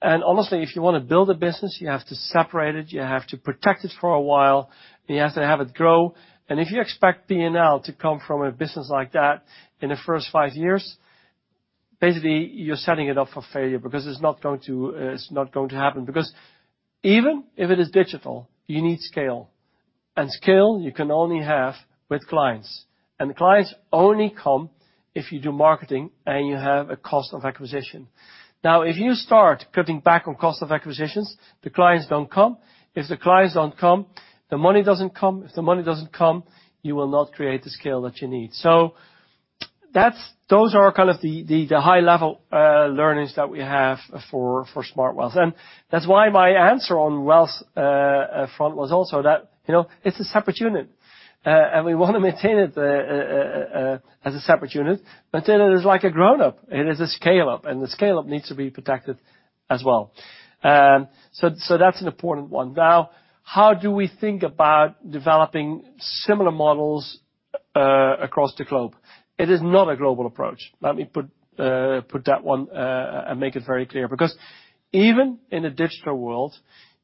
Honestly, if you wanna build a business, you have to separate it, you have to protect it for a while, and you have to have it grow. If you expect P&L to come from a business like that in the first five years, basically you're setting it up for failure because it's not going to happen. Because even if it is digital, you need scale. Scale you can only have with clients. The clients only come if you do marketing and you have a cost of acquisition. Now, if you start cutting back on cost of acquisitions, the clients don't come. If the clients don't come, the money doesn't come. If the money doesn't come, you will not create the scale that you need. That's those are kind of the high level learnings that we have for SmartWealth. That's why my answer on wealth front was also that, you know, it's a separate unit. We wanna maintain it as a separate unit, but then it is like a grown-up. It is a scale-up, and the scale-up needs to be protected as well. That's an important one. Now, how do we think about developing similar models across the globe? It is not a global approach. Let me put that one and make it very clear. Because even in a digital world,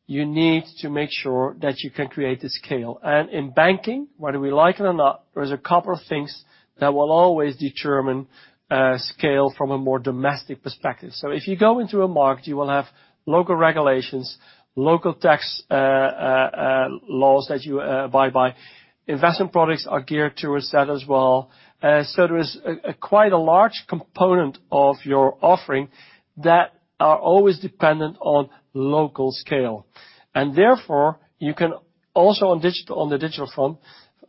you need to make sure that you can create the scale. In banking, whether we like it or not, there's a couple of things that will always determine scale from a more domestic perspective. If you go into a market, you will have local regulations, local tax laws that you abide by. Investment products are geared towards that as well. There is quite a large component of your offering that are always dependent on local scale. Therefore, you can also, on the digital front,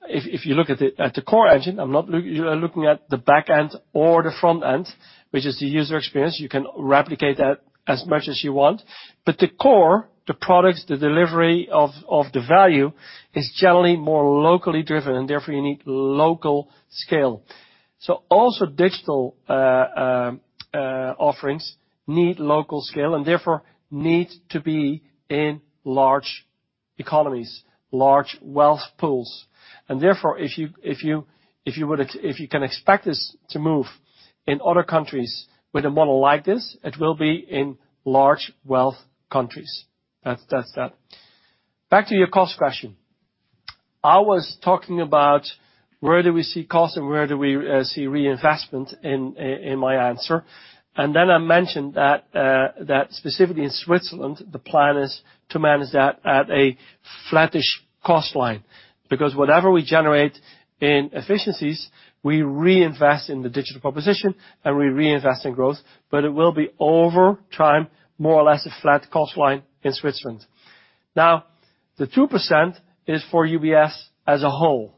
if you look at the core engine, you are looking at the back end or the front end, which is the user experience. You can replicate that as much as you want. The core, the products, the delivery of the value is generally more locally driven, and therefore you need local scale. Also digital offerings need local scale, and therefore need to be in large economies, large wealth pools. Therefore, if you can expect this to move in other countries with a model like this, it will be in large wealth countries. That's that. Back to your cost question. I was talking about where do we see cost and where do we see reinvestment in my answer. Then I mentioned that specifically in Switzerland, the plan is to manage that at a flattish cost line. Because whatever we generate in efficiencies, we reinvest in the digital proposition and we reinvest in growth, but it will be over time, more or less a flat cost line in Switzerland. Now, the 2% is for UBS as a whole.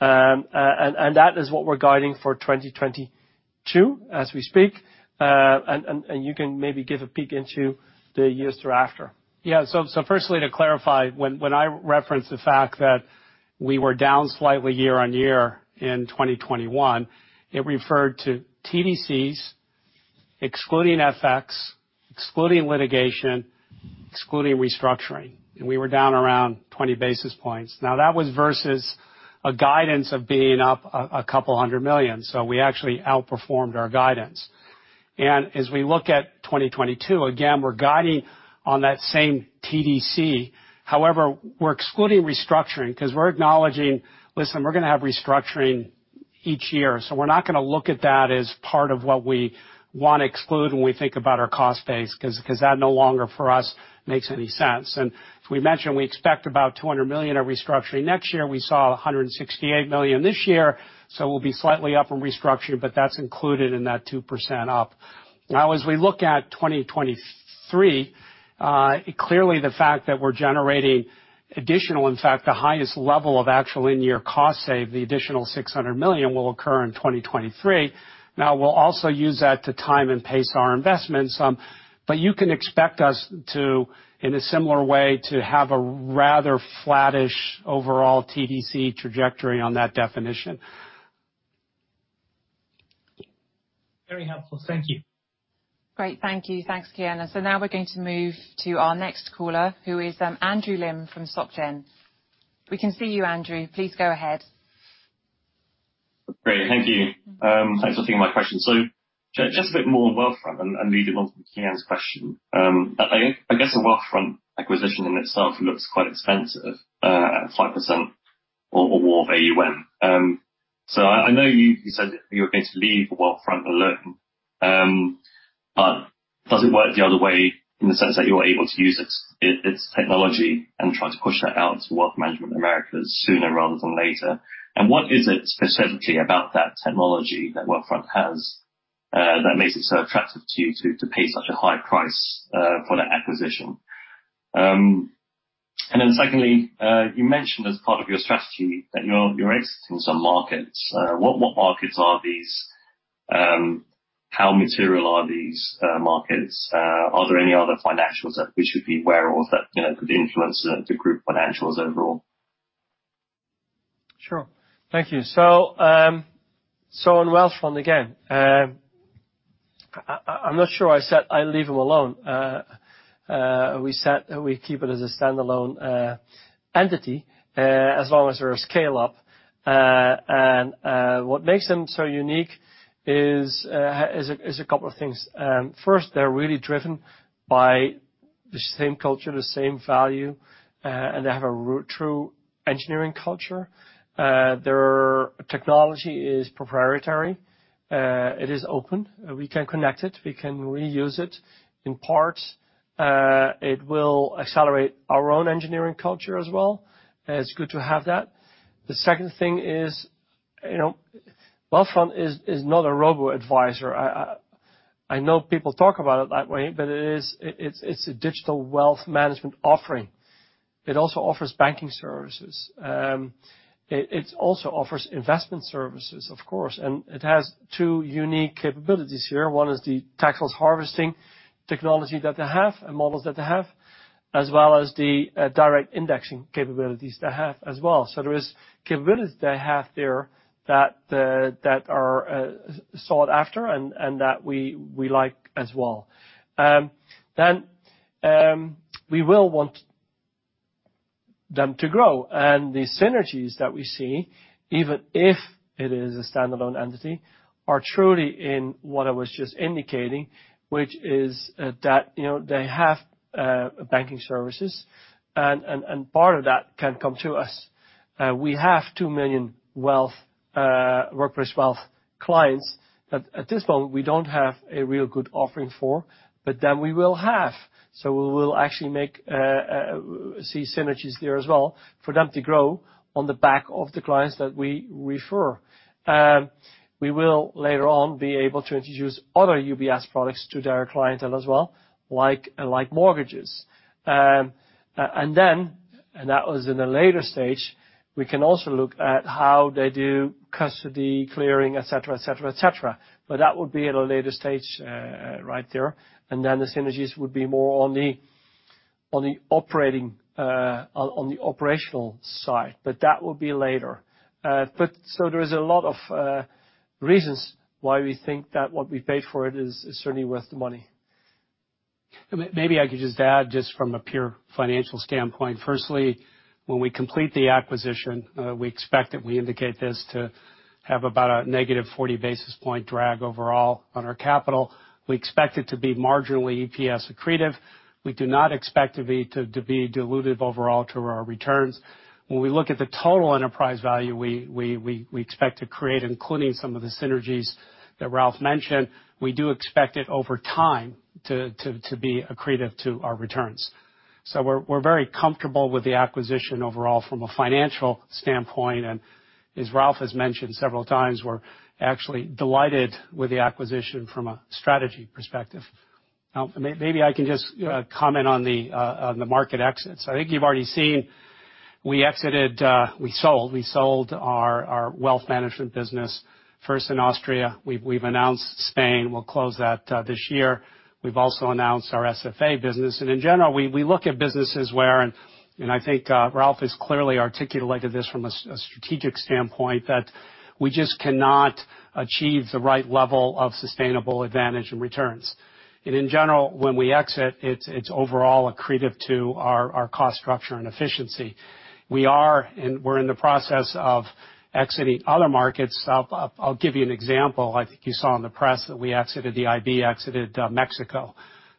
That is what we're guiding for 2022 as we speak. You can maybe give a peek into the years thereafter. Yeah. Firstly to clarify, when I reference the fact that- we were down slightly year-on-year in 2021. It referred to TDC's excluding FX, excluding litigation, excluding restructuring, and we were down around 20 basis points. Now that was versus a guidance of being up a couple hundred million. We actually outperformed our guidance. As we look at 2022, again, we're guiding on that same TDC. However, we're excluding restructuring 'cause we're acknowledging, listen, we're gonna have restructuring each year, so we're not gonna look at that as part of what we wanna exclude when we think about our cost base, 'cause that no longer for us makes any sense. As we mentioned, we expect about 200 million of restructuring next year. We saw 168 million this year, so we'll be slightly up in restructuring, but that's included in that 2% up. Now as we look at 2023, clearly the fact that we're generating additional, in fact, the highest level of actual in-year cost savings, the additional 600 million will occur in 2023. Now we'll also use that to time and pace our investments some. You can expect us to, in a similar way, to have a rather flattish overall TDC trajectory on that definition. Very helpful. Thank you. Great. Thank you. Thanks, Kian Abouhossein. Now we're going to move to our next caller, who is Andrew Lim from Société Générale. We can see you, Andrew. Please go ahead. Great. Thank you. Thanks for taking my question. Just a bit more on Wealthfront and leading on from Kian’s question. I guess a Wealthfront acquisition in itself looks quite expensive at 5% or more of AUM. I know you said you're going to leave Wealthfront alone. Does it work the other way in the sense that you're able to use its technology and try to push that out to Wealth Management Americas sooner rather than later? What is it specifically about that technology that Wealthfront has that makes it so attractive to you to pay such a high price for that acquisition? Secondly, you mentioned as part of your strategy that you're exiting some markets. What markets are these? How material are these markets? Are there any other financials that we should be aware of that, you know, could influence the group financials overall? Sure. Thank you. On Wealthfront again, I'm not sure I said I'd leave them alone. We said we keep it as a standalone entity, as long as they're a scale up. And what makes them so unique is a couple of things. First, they're really driven by the same culture, the same value, and they have a true engineering culture. Their technology is proprietary. It is open. We can connect it. We can reuse it in parts. It will accelerate our own engineering culture as well. It's good to have that. The second thing is, you know, Wealthfront is not a robo-advisor. I know people talk about it that way, but it is a digital wealth management offering. It also offers banking services. It also offers investment services, of course, and it has two unique capabilities here. One is the tax loss harvesting technology that they have and models that they have, as well as the direct indexing capabilities they have as well. There are capabilities they have there that are sought after and that we like as well. We will want them to grow. The synergies that we see, even if it is a standalone entity, are truly in what I was just indicating, which is that, you know, they have banking services and part of that can come to us. We have 2 million wealth workplace wealth clients that at this moment we don't have a real good offering for, but then we will have. We will actually make synergies there as well for them to grow on the back of the clients that we refer. We will later on be able to introduce other UBS products to their clientele as well, like mortgages. And then, and that was in a later stage, we can also look at how they do custody, clearing, et cetera. But that would be at a later stage, right there, and then the synergies would be more on the operational side. But that will be later. But there is a lot of reasons why we think that what we paid for it is certainly worth the money. Maybe I could just add from a pure financial standpoint. Firstly, when we complete the acquisition, we expect that we indicate this to have about a negative 40 basis point drag overall on our capital. We expect it to be marginally EPS accretive. We do not expect to be dilutive overall to our returns. When we look at the total enterprise value, we expect to create, including some of the synergies that Ralph mentioned, we do expect it over time to be accretive to our returns. We're very comfortable with the acquisition overall from a financial standpoint. As Ralph has mentioned several times, we're actually delighted with the acquisition from a strategy perspective. Now maybe I can just comment on the market exits. I think you've already seen We exited. We sold our wealth management business first in Austria. We've announced Spain. We'll close that this year. We've also announced our SFA business. In general, we look at businesses where I think Ralph has clearly articulated this from a strategic standpoint, that we just cannot achieve the right level of sustainable advantage in returns. In general, when we exit, it's overall accretive to our cost structure and efficiency. We're in the process of exiting other markets. I'll give you an example. I think you saw in the press that we exited the IB Mexico.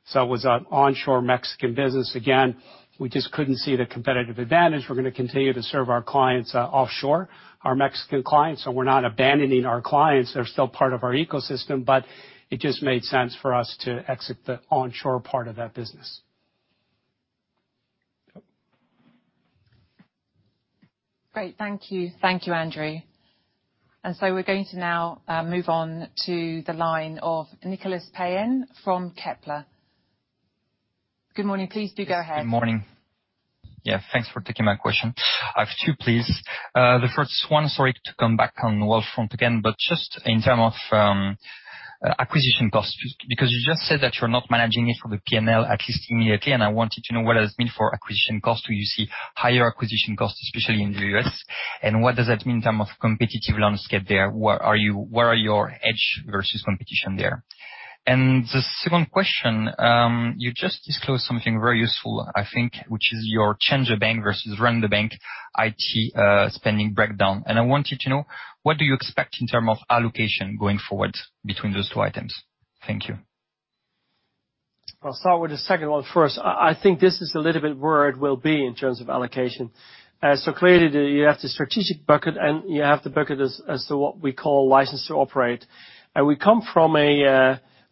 So it was an onshore Mexican business. Again, we just couldn't see the competitive advantage. We're gonna continue to serve our clients offshore, our Mexican clients. So we're not abandoning our clients. They're still part of our ecosystem, but it just made sense for us to exit the onshore part of that business. Great. Thank you. Thank you, Andrew. We're going to now move on to the line of Nicolas Payen from Kepler. Good morning. Please do go ahead. Good morning. Yeah, thanks for taking my question. I have two, please. The first one, sorry to come back on Wealthfront again, but just in terms of acquisition costs, because you just said that you're not managing it for the P&L, at least immediately, and I wanted to know what it has been for acquisition costs. Do you see higher acquisition costs, especially in the U.S.? And what does that mean in terms of competitive landscape there? Where are your edge versus competition there? And the second question, you just disclosed something very useful, I think, which is your change the bank versus run the bank IT spending breakdown. And I wanted to know, what do you expect in terms of allocation going forward between those two items? Thank you. I'll start with the second one first. I think this is a little bit where it will be in terms of allocation. Clearly you have the strategic bucket, and you have the bucket as to what we call license to operate. We come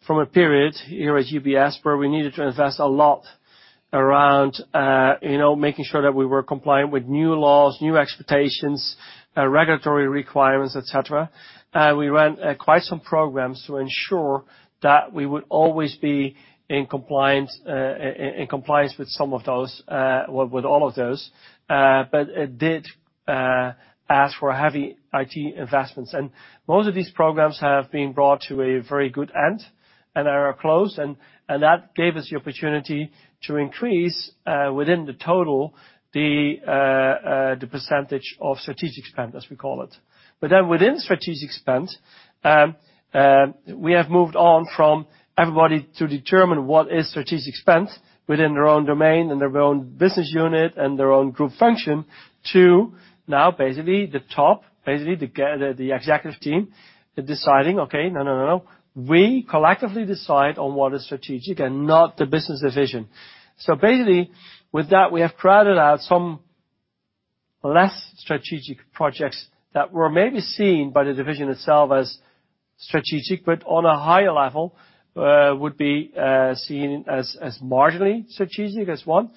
from a period here at UBS where we needed to invest a lot around you know making sure that we were compliant with new laws, new expectations, regulatory requirements, et cetera. We ran quite some programs to ensure that we would always be in compliance with all of those. It did ask for heavy IT investments. Most of these programs have been brought to a very good end and are closed, and that gave us the opportunity to increase within the total the percentage of strategic spend, as we call it. Within strategic spend, we have moved on from everybody to determine what is strategic spend within their own domain and their own business unit and their own group function to now basically the top, basically the executive team deciding, okay, no, we collectively decide on what is strategic and not the business division. Basically with that, we have crowded out some less strategic projects that were maybe seen by the division itself as strategic, but on a higher level, would be seen as marginally strategic as one,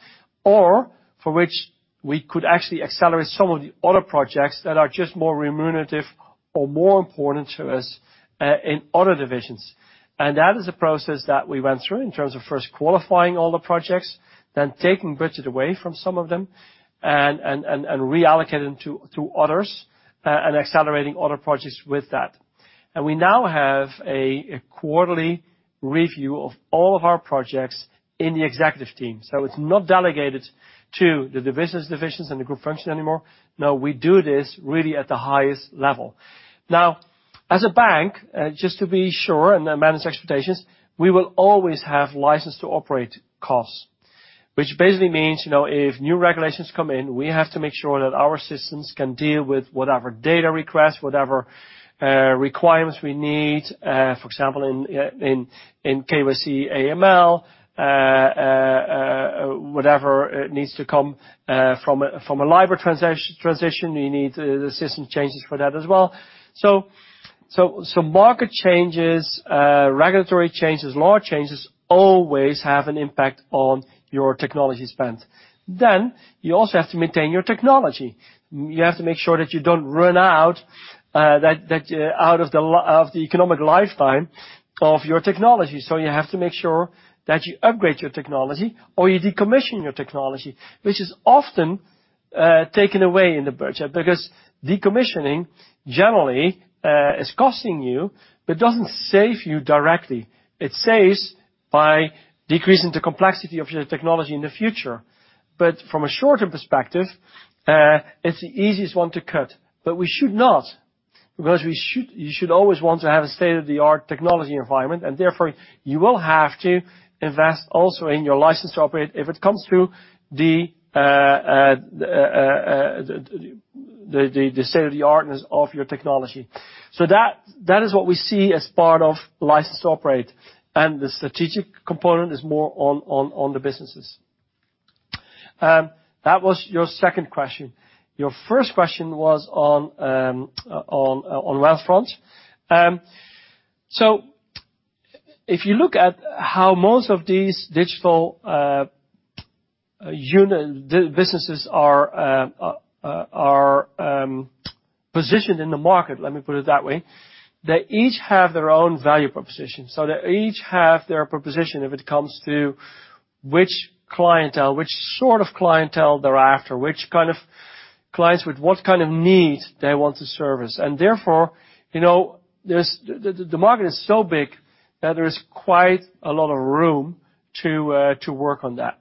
or for which we could actually accelerate some of the other projects that are just more remunerative or more important to us in other divisions. That is a process that we went through in terms of first qualifying all the projects, then taking budget away from some of them and reallocating to others and accelerating other projects with that. We now have a quarterly review of all of our projects in the executive team. It's not delegated to the divisions and the group function anymore. No, we do this really at the highest level. Now, as a bank, just to be sure and manage expectations, we will always have license to operate costs, which basically means, you know, if new regulations come in, we have to make sure that our systems can deal with whatever data requests, whatever requirements we need. For example, in KYC, AML, whatever needs to come from a LIBOR transition, you need the system changes for that as well. Market changes, regulatory changes, law changes always have an impact on your technology spend. You also have to maintain your technology. You have to make sure that you don't run out of the economic lifetime of your technology. You have to make sure that you upgrade your technology or you decommission your technology, which is often taken away in the budget because decommissioning generally is costing you but doesn't save you directly. It saves by decreasing the complexity of your technology in the future. From a shorter perspective, it's the easiest one to cut. We should not, because you should always want to have a state-of-the-art technology environment, and therefore you will have to invest also in your license to operate if it comes to the state-of-the-artness of your technology. That is what we see as part of license to operate, and the strategic component is more on the businesses. That was your second question. Your first question was on Wealthfront. If you look at how most of these digital businesses are positioned in the market, let me put it that way. They each have their own value proposition, so they each have their proposition if it comes to which clientele, which sort of clientele they're after, which kind of clients with what kind of need they want to service. Therefore, you know, there's the market is so big that there is quite a lot of room to work on that.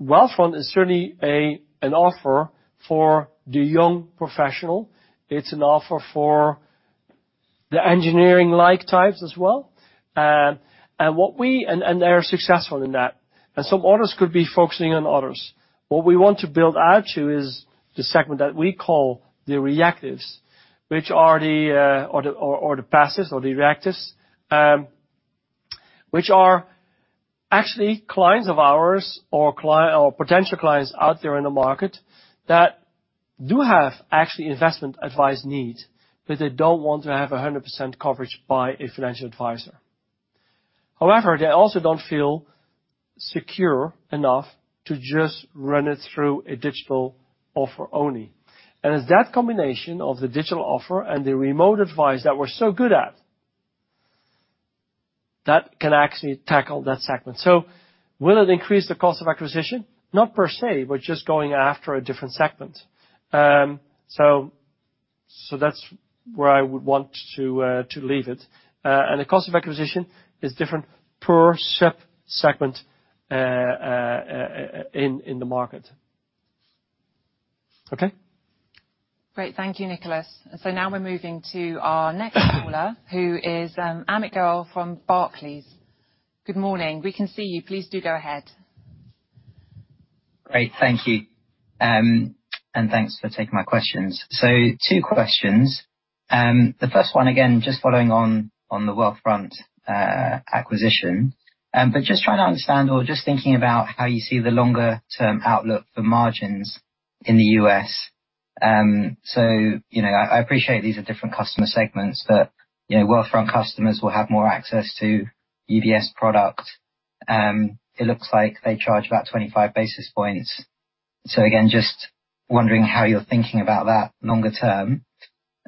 Wealthfront is certainly an offer for the young professional. It's an offer for the engineering-like types as well. They are successful in that. Some others could be focusing on others. What we want to build out to is the segment that we call the reactives, which are the passives or the reactives, which are actually clients of ours or potential clients out there in the market that do have actually investment advice need, but they don't want to have 100% coverage by a financial advisor. However, they also don't feel secure enough to just run it through a digital offer only. It's that combination of the digital offer and the remote advice that we're so good at that can actually tackle that segment. Will it increase the cost of acquisition? Not per se, but just going after a different segment. That's where I would want to leave it. The cost of acquisition is different per sub-segment in the market. Okay? Great. Thank you, Nicolas. Now we're moving to our next caller, who is Amit Goel from Barclays. Good morning. We can see you. Please do go ahead. Great. Thank you. And thanks for taking my questions. Two questions. The first one, again, just following on the Wealthfront acquisition, but just trying to understand or just thinking about how you see the longer-term outlook for margins in the U.S. You know, I appreciate these are different customer segments, but, you know, Wealthfront customers will have more access to UBS product. It looks like they charge about 25 basis points. Again, just wondering how you're thinking about that longer-term.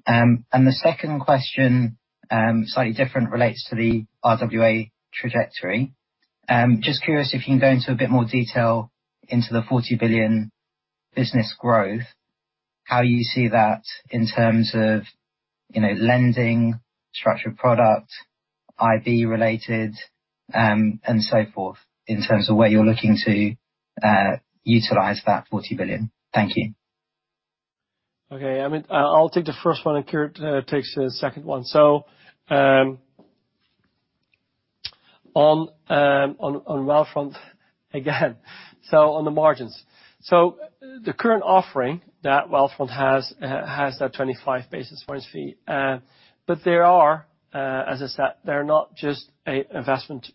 And the second question, slightly different, relates to the RWA trajectory. Just curious if you can go into a bit more detail into the $40 billion business growth, how you see that in terms of, you know, lending, structured product, IB related, and so forth in terms of where you're looking to utilize that $40 billion. Thank you. Okay. Amit, I'll take the first one, and Kirt takes the second one. On Wealthfront again. On the margins. The current offering that Wealthfront has has that 25 basis points fee. But they are, as I said, they're not just an investment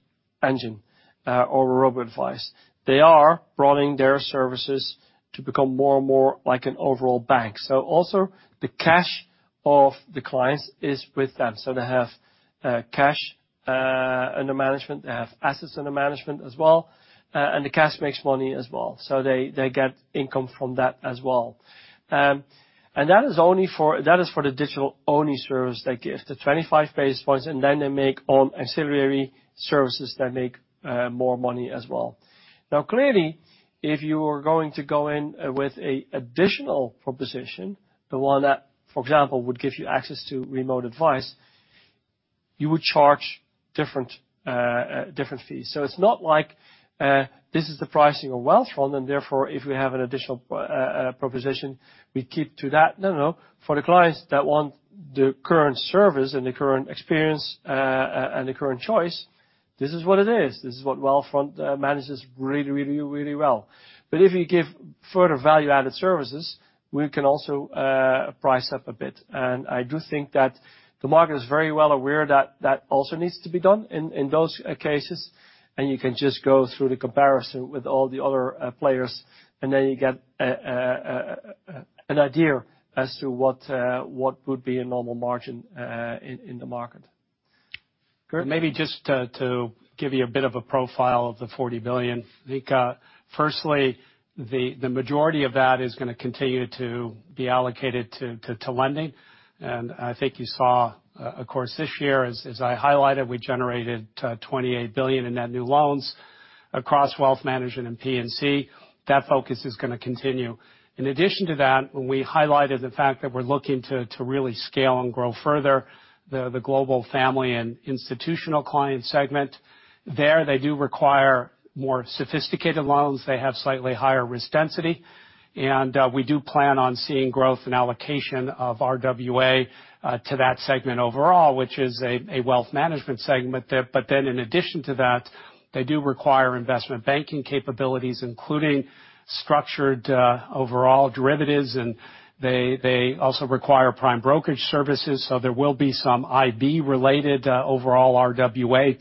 engine or robo-advice. They are broadening their services to become more and more like an overall bank. Also the cash of the clients is with them. They have cash under management. They have assets under management as well. And the cash makes money as well. They get income from that as well. And that is only for the digital-only service. They give the 25 basis points, and then they make money on ancillary services that make more money as well. Now, clearly, if you are going to go in with an additional proposition, the one that, for example, would give you access to remote advice, you would charge different fees. It's not like this is the pricing of Wealthfront, and therefore, if we have an additional proposition, we keep to that. No. For the clients that want the current service and the current experience and the current choice, this is what it is. This is what Wealthfront manages really well. If you give further value-added services, we can also price up a bit. I do think that the market is very well aware that that also needs to be done in those cases. You can just go through the comparison with all the other players, and then you get an idea as to what would be a normal margin in the market. Kirt? Maybe just to give you a bit of a profile of the 40 billion. I think, firstly, the majority of that is gonna continue to be allocated to lending. I think you saw, of course, this year, as I highlighted, we generated 28 billion in net new loans across wealth management and P&C. That focus is gonna continue. In addition to that, we highlighted the fact that we're looking to really scale and grow further the global family and institutional client segment. There they do require more sophisticated loans. They have slightly higher risk density. We do plan on seeing growth and allocation of RWA to that segment overall, which is a wealth management segment there. In addition to that, they do require investment banking capabilities, including structured overall derivatives, and they also require prime brokerage services. There will be some IB related overall RWA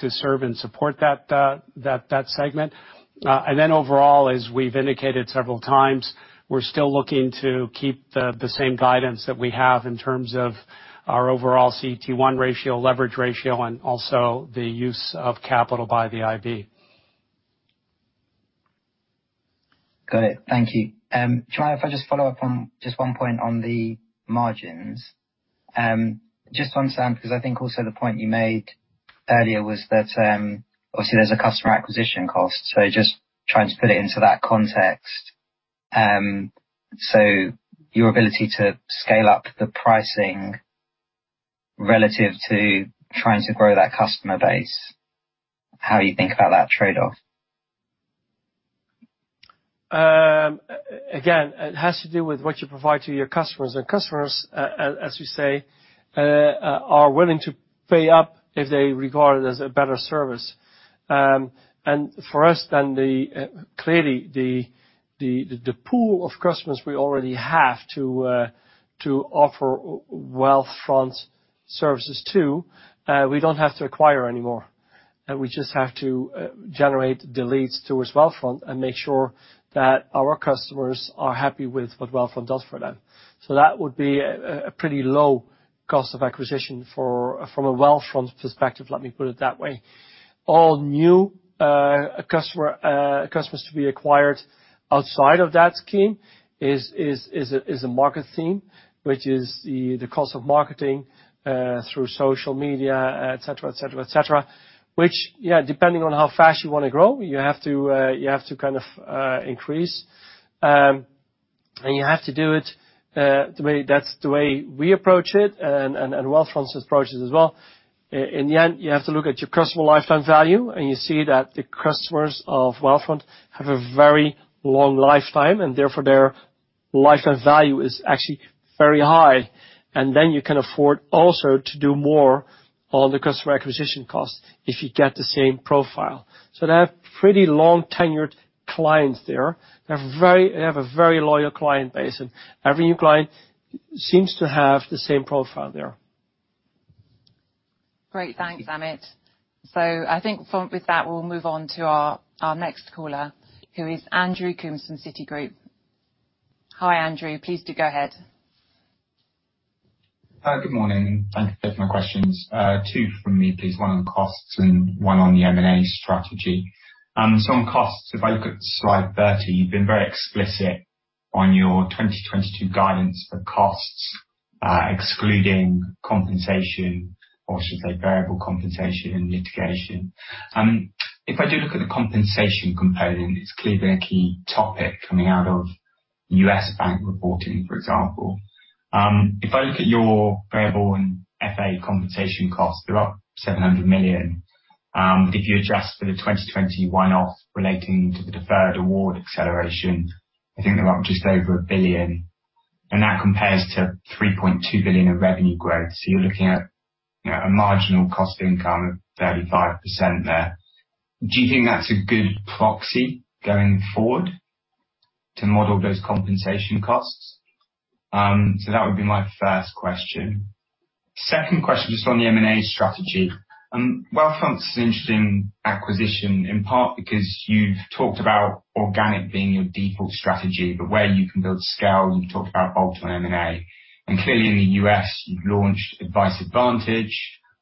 to serve and support that segment. Overall, as we've indicated several times, we're still looking to keep the same guidance that we have in terms of our overall CET1 ratio, leverage ratio, and also the use of capital by the IB. Got it. Thank you. Do you mind if I just follow up on just one point on the margins? Just on Sam, because I think also the point you made earlier was that, obviously there's a customer acquisition cost, so just trying to put it into that context. Your ability to scale up the pricing relative to trying to grow that customer base, how you think about that trade-off? Again, it has to do with what you provide to your customers. Customers, as you say, are willing to pay up if they regard it as a better service. For us then clearly the pool of customers we already have to offer Wealthfront services to, we don't have to acquire any more. We just have to generate the leads towards Wealthfront and make sure that our customers are happy with what Wealthfront does for them. That would be a pretty low cost of acquisition from a Wealthfront perspective, let me put it that way. All new customers to be acquired outside of that scheme is a market theme, which is the cost of marketing through social media, et cetera. Which, yeah, depending on how fast you wanna grow, you have to kind of increase. You have to do it the way. That's the way we approach it and Wealthfront approaches as well. In the end, you have to look at your customer lifetime value, and you see that the customers of Wealthfront have a very long lifetime, and therefore their lifetime value is actually very high. Then you can afford also to do more on the customer acquisition cost if you get the same profile. They have pretty long-tenured clients there. They have a very loyal client base, and every new client seems to have the same profile there. Great. Thanks, Amit. I think with that, we'll move on to our next caller, who is Andrew Coombs from Citigroup. Hi, Andrew. Please do go ahead. Hi. Good morning. Thank you for taking my questions. Two from me, please. One on costs and one on the M&A strategy. On costs, if I look at slide 30, you've been very explicit on your 2022 guidance for costs, excluding compensation, or should I say variable compensation and litigation. If I do look at the compensation component, it's clearly been a key topic coming out of U.S. Bank reporting, for example. If I look at your variable and FA compensation costs, they're up $700 million. If you adjust for the 2021 one-off relating to the deferred award acceleration, I think they're up just over $1 billion, and that compares to $3.2 billion in revenue growth. You're looking at, you know, a marginal cost income of 35% there. Do you think that's a good proxy going forward to model those compensation costs? That would be my first question. Second question, just on the M&A strategy. Wealthfront's an interesting acquisition in part because you've talked about organic being your default strategy, but where you can build scale, you've talked about bolt-on M&A. Clearly in the U.S., you've launched Advice Advantage.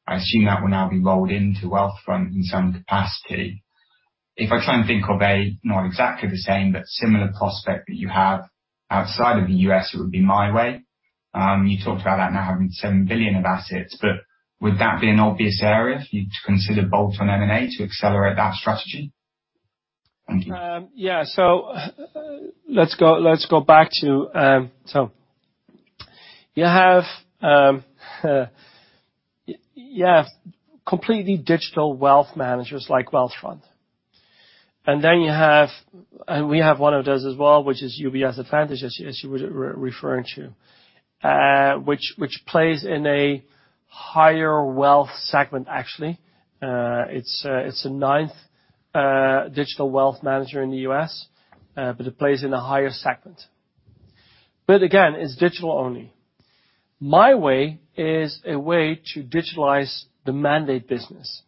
I assume that will now be rolled into Wealthfront in some capacity. If I try and think of a, not exactly the same, but similar prospect that you have outside of the U.S., it would be MyWay. You talked about that now having 7 billion of assets, but would that be an obvious area if you consider bolt-on M&A to accelerate that strategy? Thank you. Let's go back to you having completely digital wealth managers like Wealthfront. We have one of those as well, which is UBS Advice Advantage, as you were referring to, which plays in a higher wealth segment, actually. It's the ninth digital wealth manager in the U.S., but it plays in a higher segment. Again, it's digital only. MyWay is a way to digitalize the mandate business.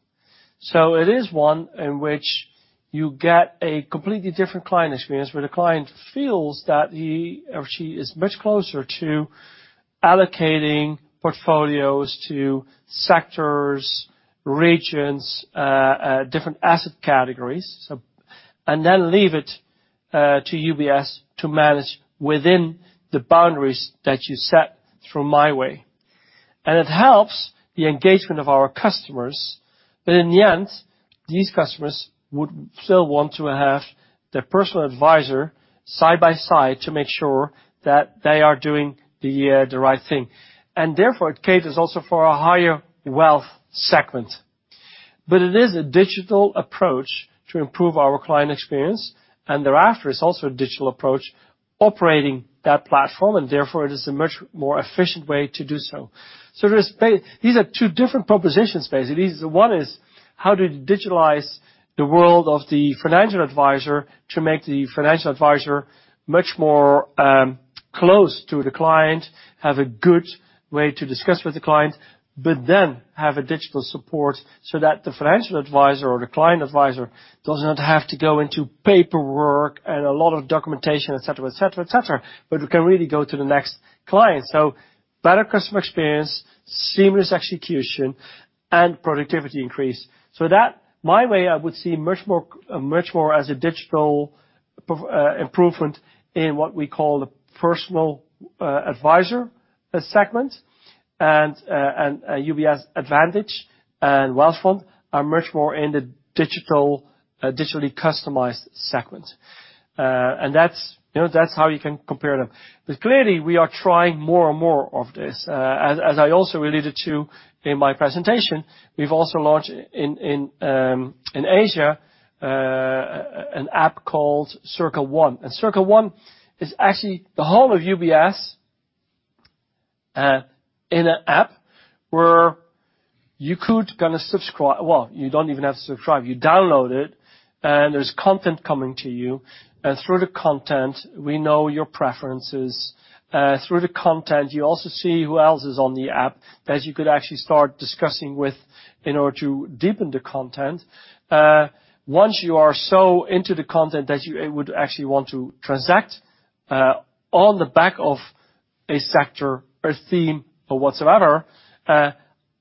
It is one in which you get a completely different client experience, where the client feels that he or she is much closer to allocating portfolios to sectors, regions, different asset categories. Leave it to UBS to manage within the boundaries that you set through MyWay. It helps the engagement of our customers. In the end, these customers would still want to have their personal advisor side by side to make sure that they are doing the right thing. Therefore, it caters also for a higher wealth segment. It is a digital approach to improve our client experience, and thereafter, it's also a digital approach operating that platform, and therefore it is a much more efficient way to do so. These are two different propositions, basically. One is, how do you digitalize the world of the financial advisor to make the financial advisor much more close to the client, have a good way to discuss with the client, but then have a digital support so that the financial advisor or the client advisor does not have to go into paperwork and a lot of documentation, et cetera, but we can really go to the next client. Better customer experience, seamless execution, and productivity increase. That, MyWay, I would see much more, much more as a digital improvement in what we call a personal advisor segment. UBS Advantage and Wealthfront are much more in the digital, digitally customized segment. That's, you know, that's how you can compare them. Clearly we are trying more and more of this. As I also referred to in my presentation, we've also launched in Asia an app called Circle One. Circle One is actually the whole of UBS in an app where you could go and subscribe. Well, you don't even have to subscribe. You download it, and there's content coming to you. Through the content, we know your preferences. Through the content, you also see who else is on the app that you could actually start discussing with in order to deepen the content. Once you are so into the content that you would actually want to transact on the back of a sector or theme or whatsoever,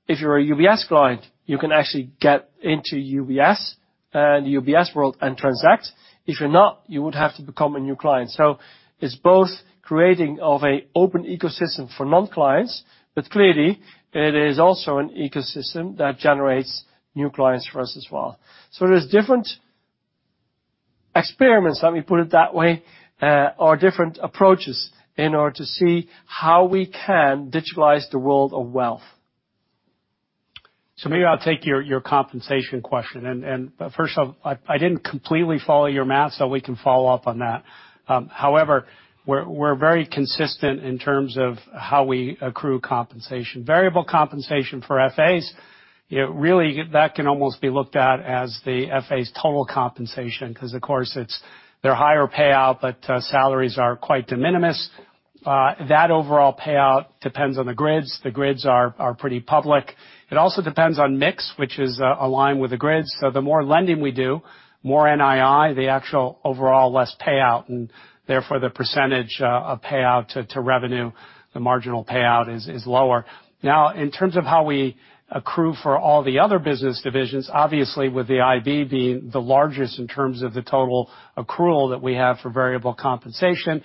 if you're a UBS client, you can actually get into UBS and UBS world and transact. If you're not, you would have to become a new client. It's both creation of an open ecosystem for non-clients, but clearly it is also an ecosystem that generates new clients for us as well. There's different experiments, let me put it that way, or different approaches in order to see how we can digitalize the world of wealth. Maybe I'll take your compensation question. First of all, I didn't completely follow your math, so we can follow up on that. However, we're very consistent in terms of how we accrue compensation. Variable compensation for FAs, you know, really that can almost be looked at as the FA's total compensation, 'cause of course it's their higher payout, but salaries are quite de minimis. That overall payout depends on the grids. The grids are pretty public. It also depends on mix, which is aligned with the grids. The more lending we do, more NII, the actual overall less payout, and therefore the percentage of payout to revenue, the marginal payout is lower. Now, in terms of how we accrue for all the other business divisions, obviously with the IB being the largest in terms of the total accrual that we have for variable compensation,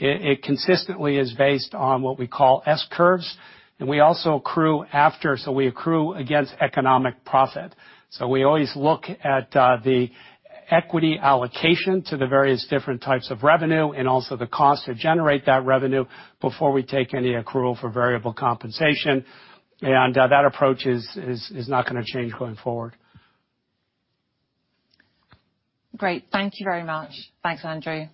it consistently is based on what we call S-curves. We also accrue against economic profit. We always look at the equity allocation to the various different types of revenue and also the cost to generate that revenue before we take any accrual for variable compensation. That approach is not gonna change going forward. Great. Thank you very much. Thanks, Andrew.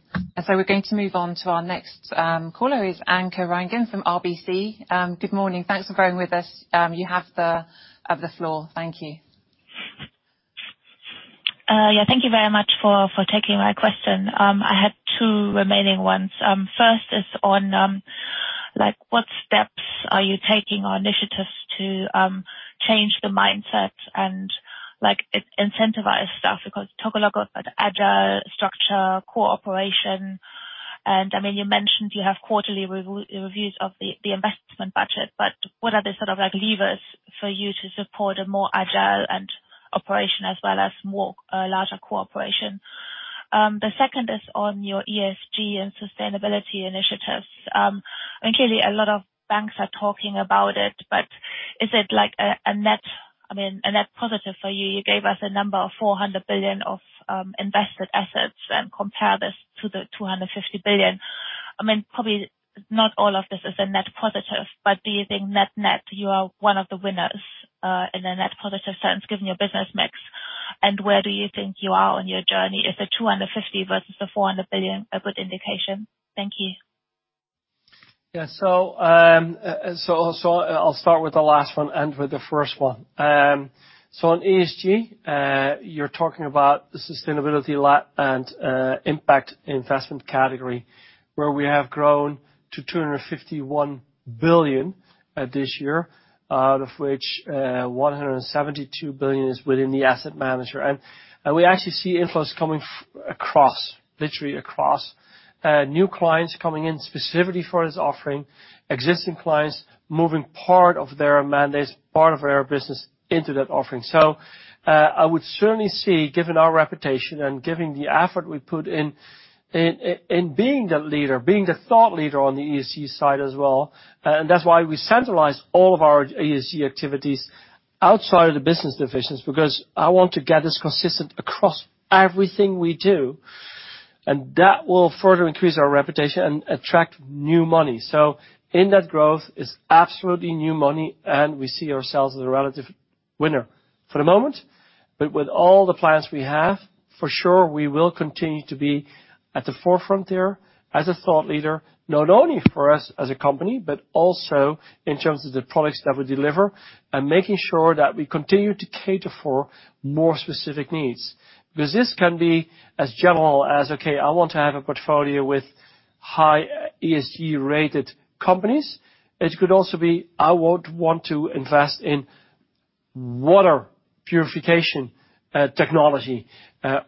We're going to move on to our next caller is Anke Reingen from RBC. Good morning. Thanks for bearing with us. You have the floor. Thank you. Thank you very much for taking my question. I had two remaining ones. First is on like what steps are you taking or initiatives to change the mindset and like incentivize stuff? Because you talk a lot about agile structure, cooperation, and I mean, you mentioned you have quarterly reviews of the investment budget, but what are the sort of like levers for you to support a more agile and operation as well as more larger cooperation? The second is on your ESG and sustainability initiatives. Clearly a lot of banks are talking about it, but is it like a net, I mean, a net positive for you? You gave us a number of 400 billion of invested assets and compare this to the 250 billion. I mean, probably not all of this is a net positive, but do you think net-net you are one of the winners, in the net positive sense, given your business mix? Where do you think you are on your journey? Is the 250 billion versus the 400 billion a good indication? Thank you. I'll start with the last one, end with the first one. On ESG, you're talking about the sustainability-linked and impact investment category, where we have grown to 251 billion this year, out of which, 172 billion is within the asset manager. We actually see inflows coming across, literally across. New clients coming in specifically for this offering, existing clients moving part of their mandates, part of their business into that offering. I would certainly see, given our reputation and given the effort we put in being the leader, being the thought leader on the ESG side as well, and that's why we centralize all of our ESG activities outside of the business divisions, because I want to get this consistent across everything we do, and that will further increase our reputation and attract new money. In that growth is absolutely new money, and we see ourselves as a relative winner for the moment. With all the plans we have, for sure we will continue to be at the forefront there as a thought leader, not only for us as a company, but also in terms of the products that we deliver and making sure that we continue to cater for more specific needs. Because this can be as general as, okay, I want to have a portfolio with high ESG-rated companies. It could also be, I would want to invest in water purification, technology,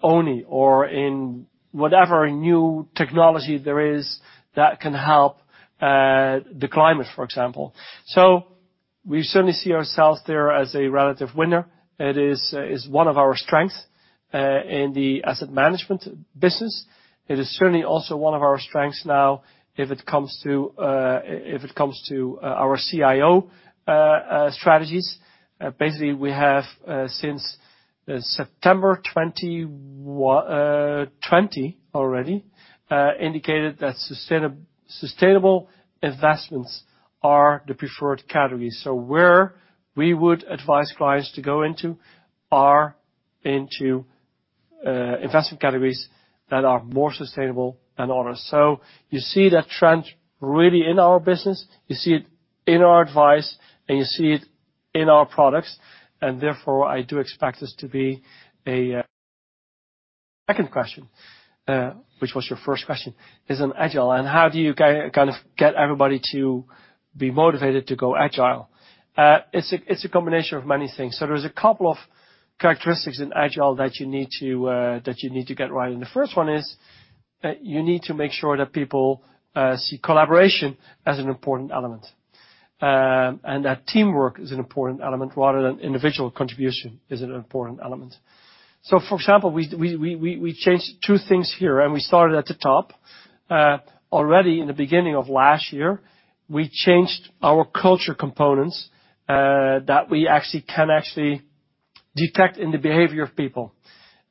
only, or in whatever new technology there is that can help, the climate, for example. We certainly see ourselves there as a relative winner. It is one of our strengths in the asset management business. It is certainly also one of our strengths now if it comes to, if it comes to, our CIO strategies. Basically we have, since September 2021 already, indicated that sustainable investments are the preferred category. Where we would advise clients to go into are into investment categories that are more sustainable and honest. You see that trend really in our business. You see it in our advice, and you see it in our products, and therefore, I do expect this to be a second question, which was your first question, is on agile, and how do you kind of get everybody to be motivated to go agile? It's a combination of many things. There's a couple of characteristics in agile that you need to get right, and the first one is, you need to make sure that people see collaboration as an important element. That teamwork is an important element rather than individual contribution is an important element. For example, we changed two things here, and we started at the top. Already in the beginning of last year, we changed our culture components that we can actually detect in the behavior of people.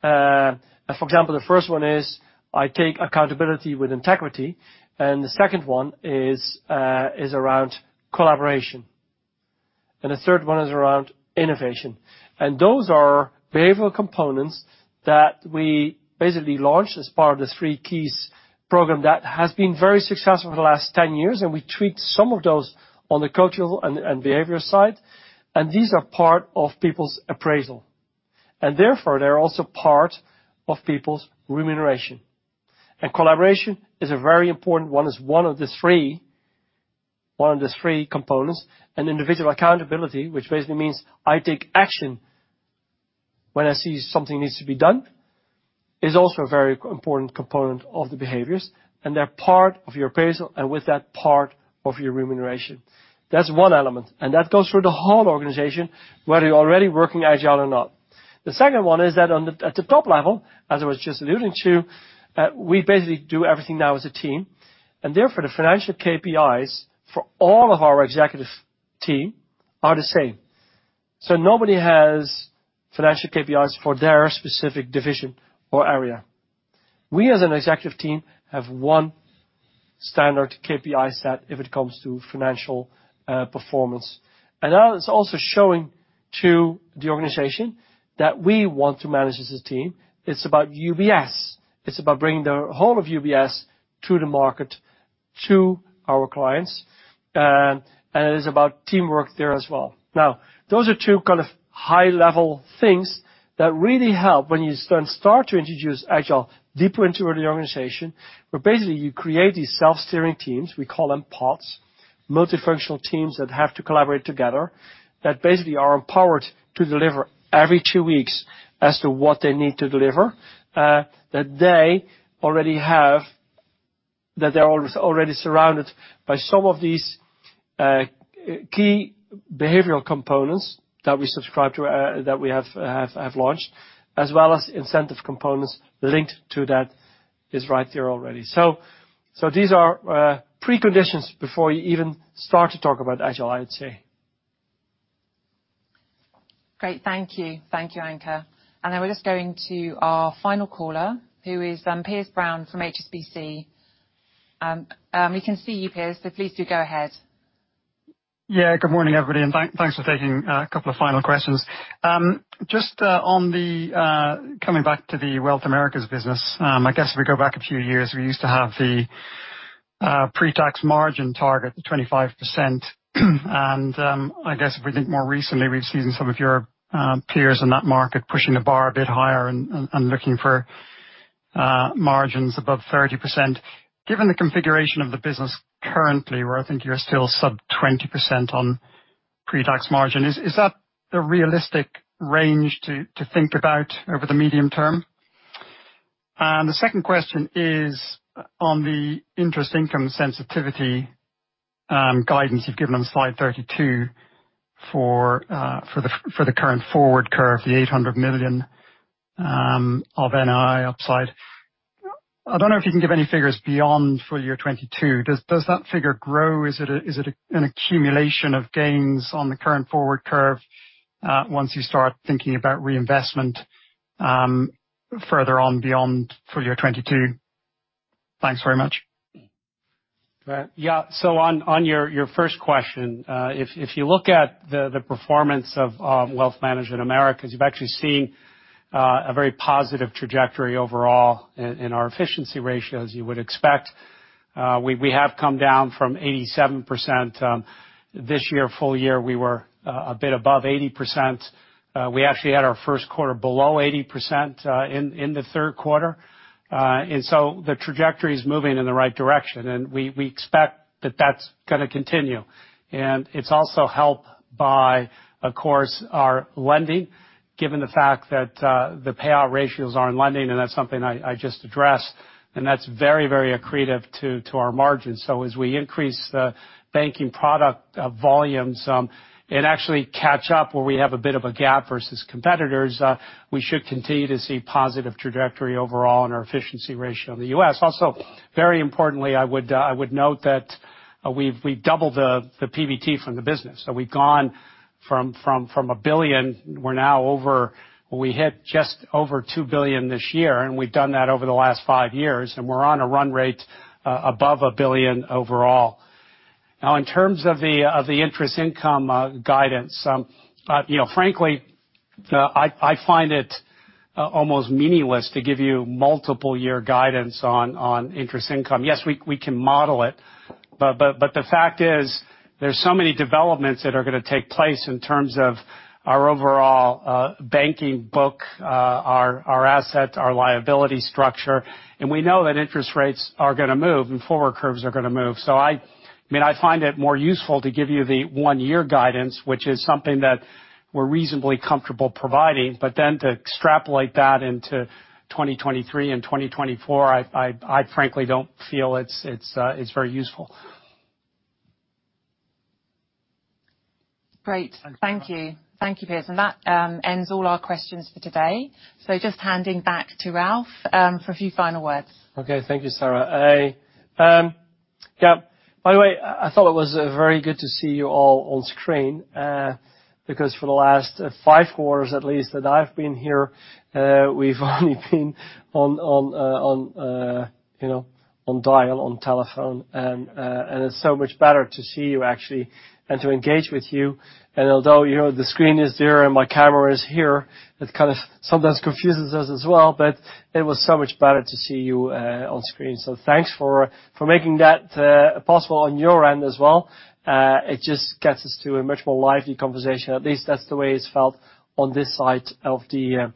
For example, the first one is I take accountability with integrity, and the second one is around collaboration. The third one is around innovation. Those are behavioral components that we basically launched as part of the Three Keys program that has been very successful for the last 10 years, and we tweaked some of those on the cultural and behavior side. These are part of people's appraisal. Therefore, they're also part of people's remuneration. Collaboration is a very important one, it's one of the three components. Individual accountability, which basically means I take action when I see something needs to be done, is also a very important component of the behaviors, and they're part of your appraisal, and with that, part of your remuneration. That's one element, and that goes through the whole organization, whether you're already working agile or not. The second one is that at the top level, as I was just alluding to, we basically do everything now as a team, and therefore, the financial KPIs for all of our executive team are the same. Nobody has financial KPIs for their specific division or area. We, as an executive team, have one standard KPI set if it comes to financial performance. That is also showing to the organization that we want to manage as a team. It's about UBS. It's about bringing the whole of UBS to the market, to our clients. It is about teamwork there as well. Now, those are two kind of high-level things that really help when you start to introduce agile deeper into the organization, where basically you create these self-steering teams, we call them pods, multifunctional teams that have to collaborate together, that basically are empowered to deliver every two weeks as to what they need to deliver, that they already have, that they're already surrounded by some of these key behavioral components that we subscribe to, that we have launched, as well as incentive components linked to that is right there already. These are preconditions before you even start to talk about agile, I would say. Great. Thank you. Thank you, Anke. We're just going to our final caller, who is, Piers Brown from HSBC. We can see you, Piers, so please do go ahead. Yeah, good morning, everybody, and thanks for taking a couple of final questions. Just on coming back to the Wealth Management Americas business, I guess if we go back a few years, we used to have the pre-tax margin target of 25%. I guess if we think more recently, we've seen some of your peers in that market pushing the bar a bit higher and looking for margins above 30%. Given the configuration of the business currently, where I think you're still sub 20% on pre-tax margin, is that the realistic range to think about over the medium term? The second question is on the interest income sensitivity guidance you've given on slide 32 for the current forward curve, the $800 million of NII upside. I don't know if you can give any figures beyond full year 2022. Does that figure grow? Is it an accumulation of gains on the current forward curve, once you start thinking about reinvestment, further on beyond full year 2022? Thanks very much. On your first question, if you look at the performance of Wealth Management Americas, you've actually seen a very positive trajectory overall in our efficiency ratio, as you would expect. We have come down from 87%. This year, full year, we were a bit above 80%. We actually had our first quarter below 80% in the third quarter. The trajectory is moving in the right direction, and we expect that that's gonna continue. It's also helped by, of course, our lending, given the fact that the payout ratios are in lending, and that's something I just addressed, and that's very accretive to our margins. As we increase the banking product volumes and actually catch up where we have a bit of a gap versus competitors, we should continue to see positive trajectory overall in our efficiency ratio in the U.S. Also, very importantly, I would note that we've doubled the PBT from the business. We've gone from $1 billion, we're now over. We hit just over $2 billion this year, and we've done that over the last five years, and we're on a run rate above $1 billion overall. Now, in terms of the interest income guidance, you know, frankly, I find it almost meaningless to give you multiple year guidance on interest income. Yes, we can model it, but the fact is there's so many developments that are gonna take place in terms of our overall banking book, our assets, our liability structure, and we know that interest rates are gonna move and forward curves are gonna move. I mean, I find it more useful to give you the one-year guidance, which is something that we're reasonably comfortable providing. To extrapolate that into 2023 and 2024, I frankly don't feel it's very useful. Great. Thank you. Thank you, Piers. That ends all our questions for today. Just handing back to Ralph for a few final words. Okay. Thank you, Sarah. Yeah, by the way, I thought it was very good to see you all on screen, because for the last five quarters at least that I've been here, we've only been on dial, on telephone, and it's so much better to see you actually and to engage with you. Although, you know, the screen is there and my camera is here, it kind of sometimes confuses us as well. It was so much better to see you on screen. Thanks for making that possible on your end as well. It just gets us to a much more lively conversation. At least that's the way it's felt on this side of the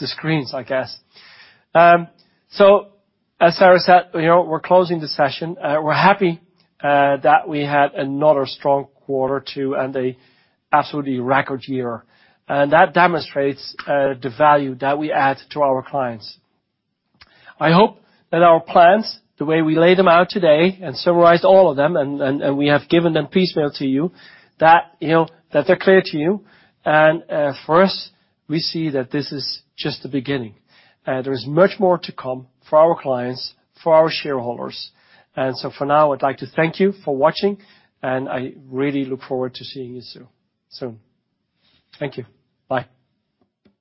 screens, I guess. As Sarah said, you know, we're closing the session. We're happy that we had another strong quarter two and an absolutely record year. That demonstrates the value that we add to our clients. I hope that our plans, the way we lay them out today and summarize all of them, and we have given them piecemeal to you, that, you know, that they're clear to you. For us, we see that this is just the beginning. There is much more to come for our clients, for our shareholders. For now, I'd like to thank you for watching, and I really look forward to seeing you soon. Thank you. Bye.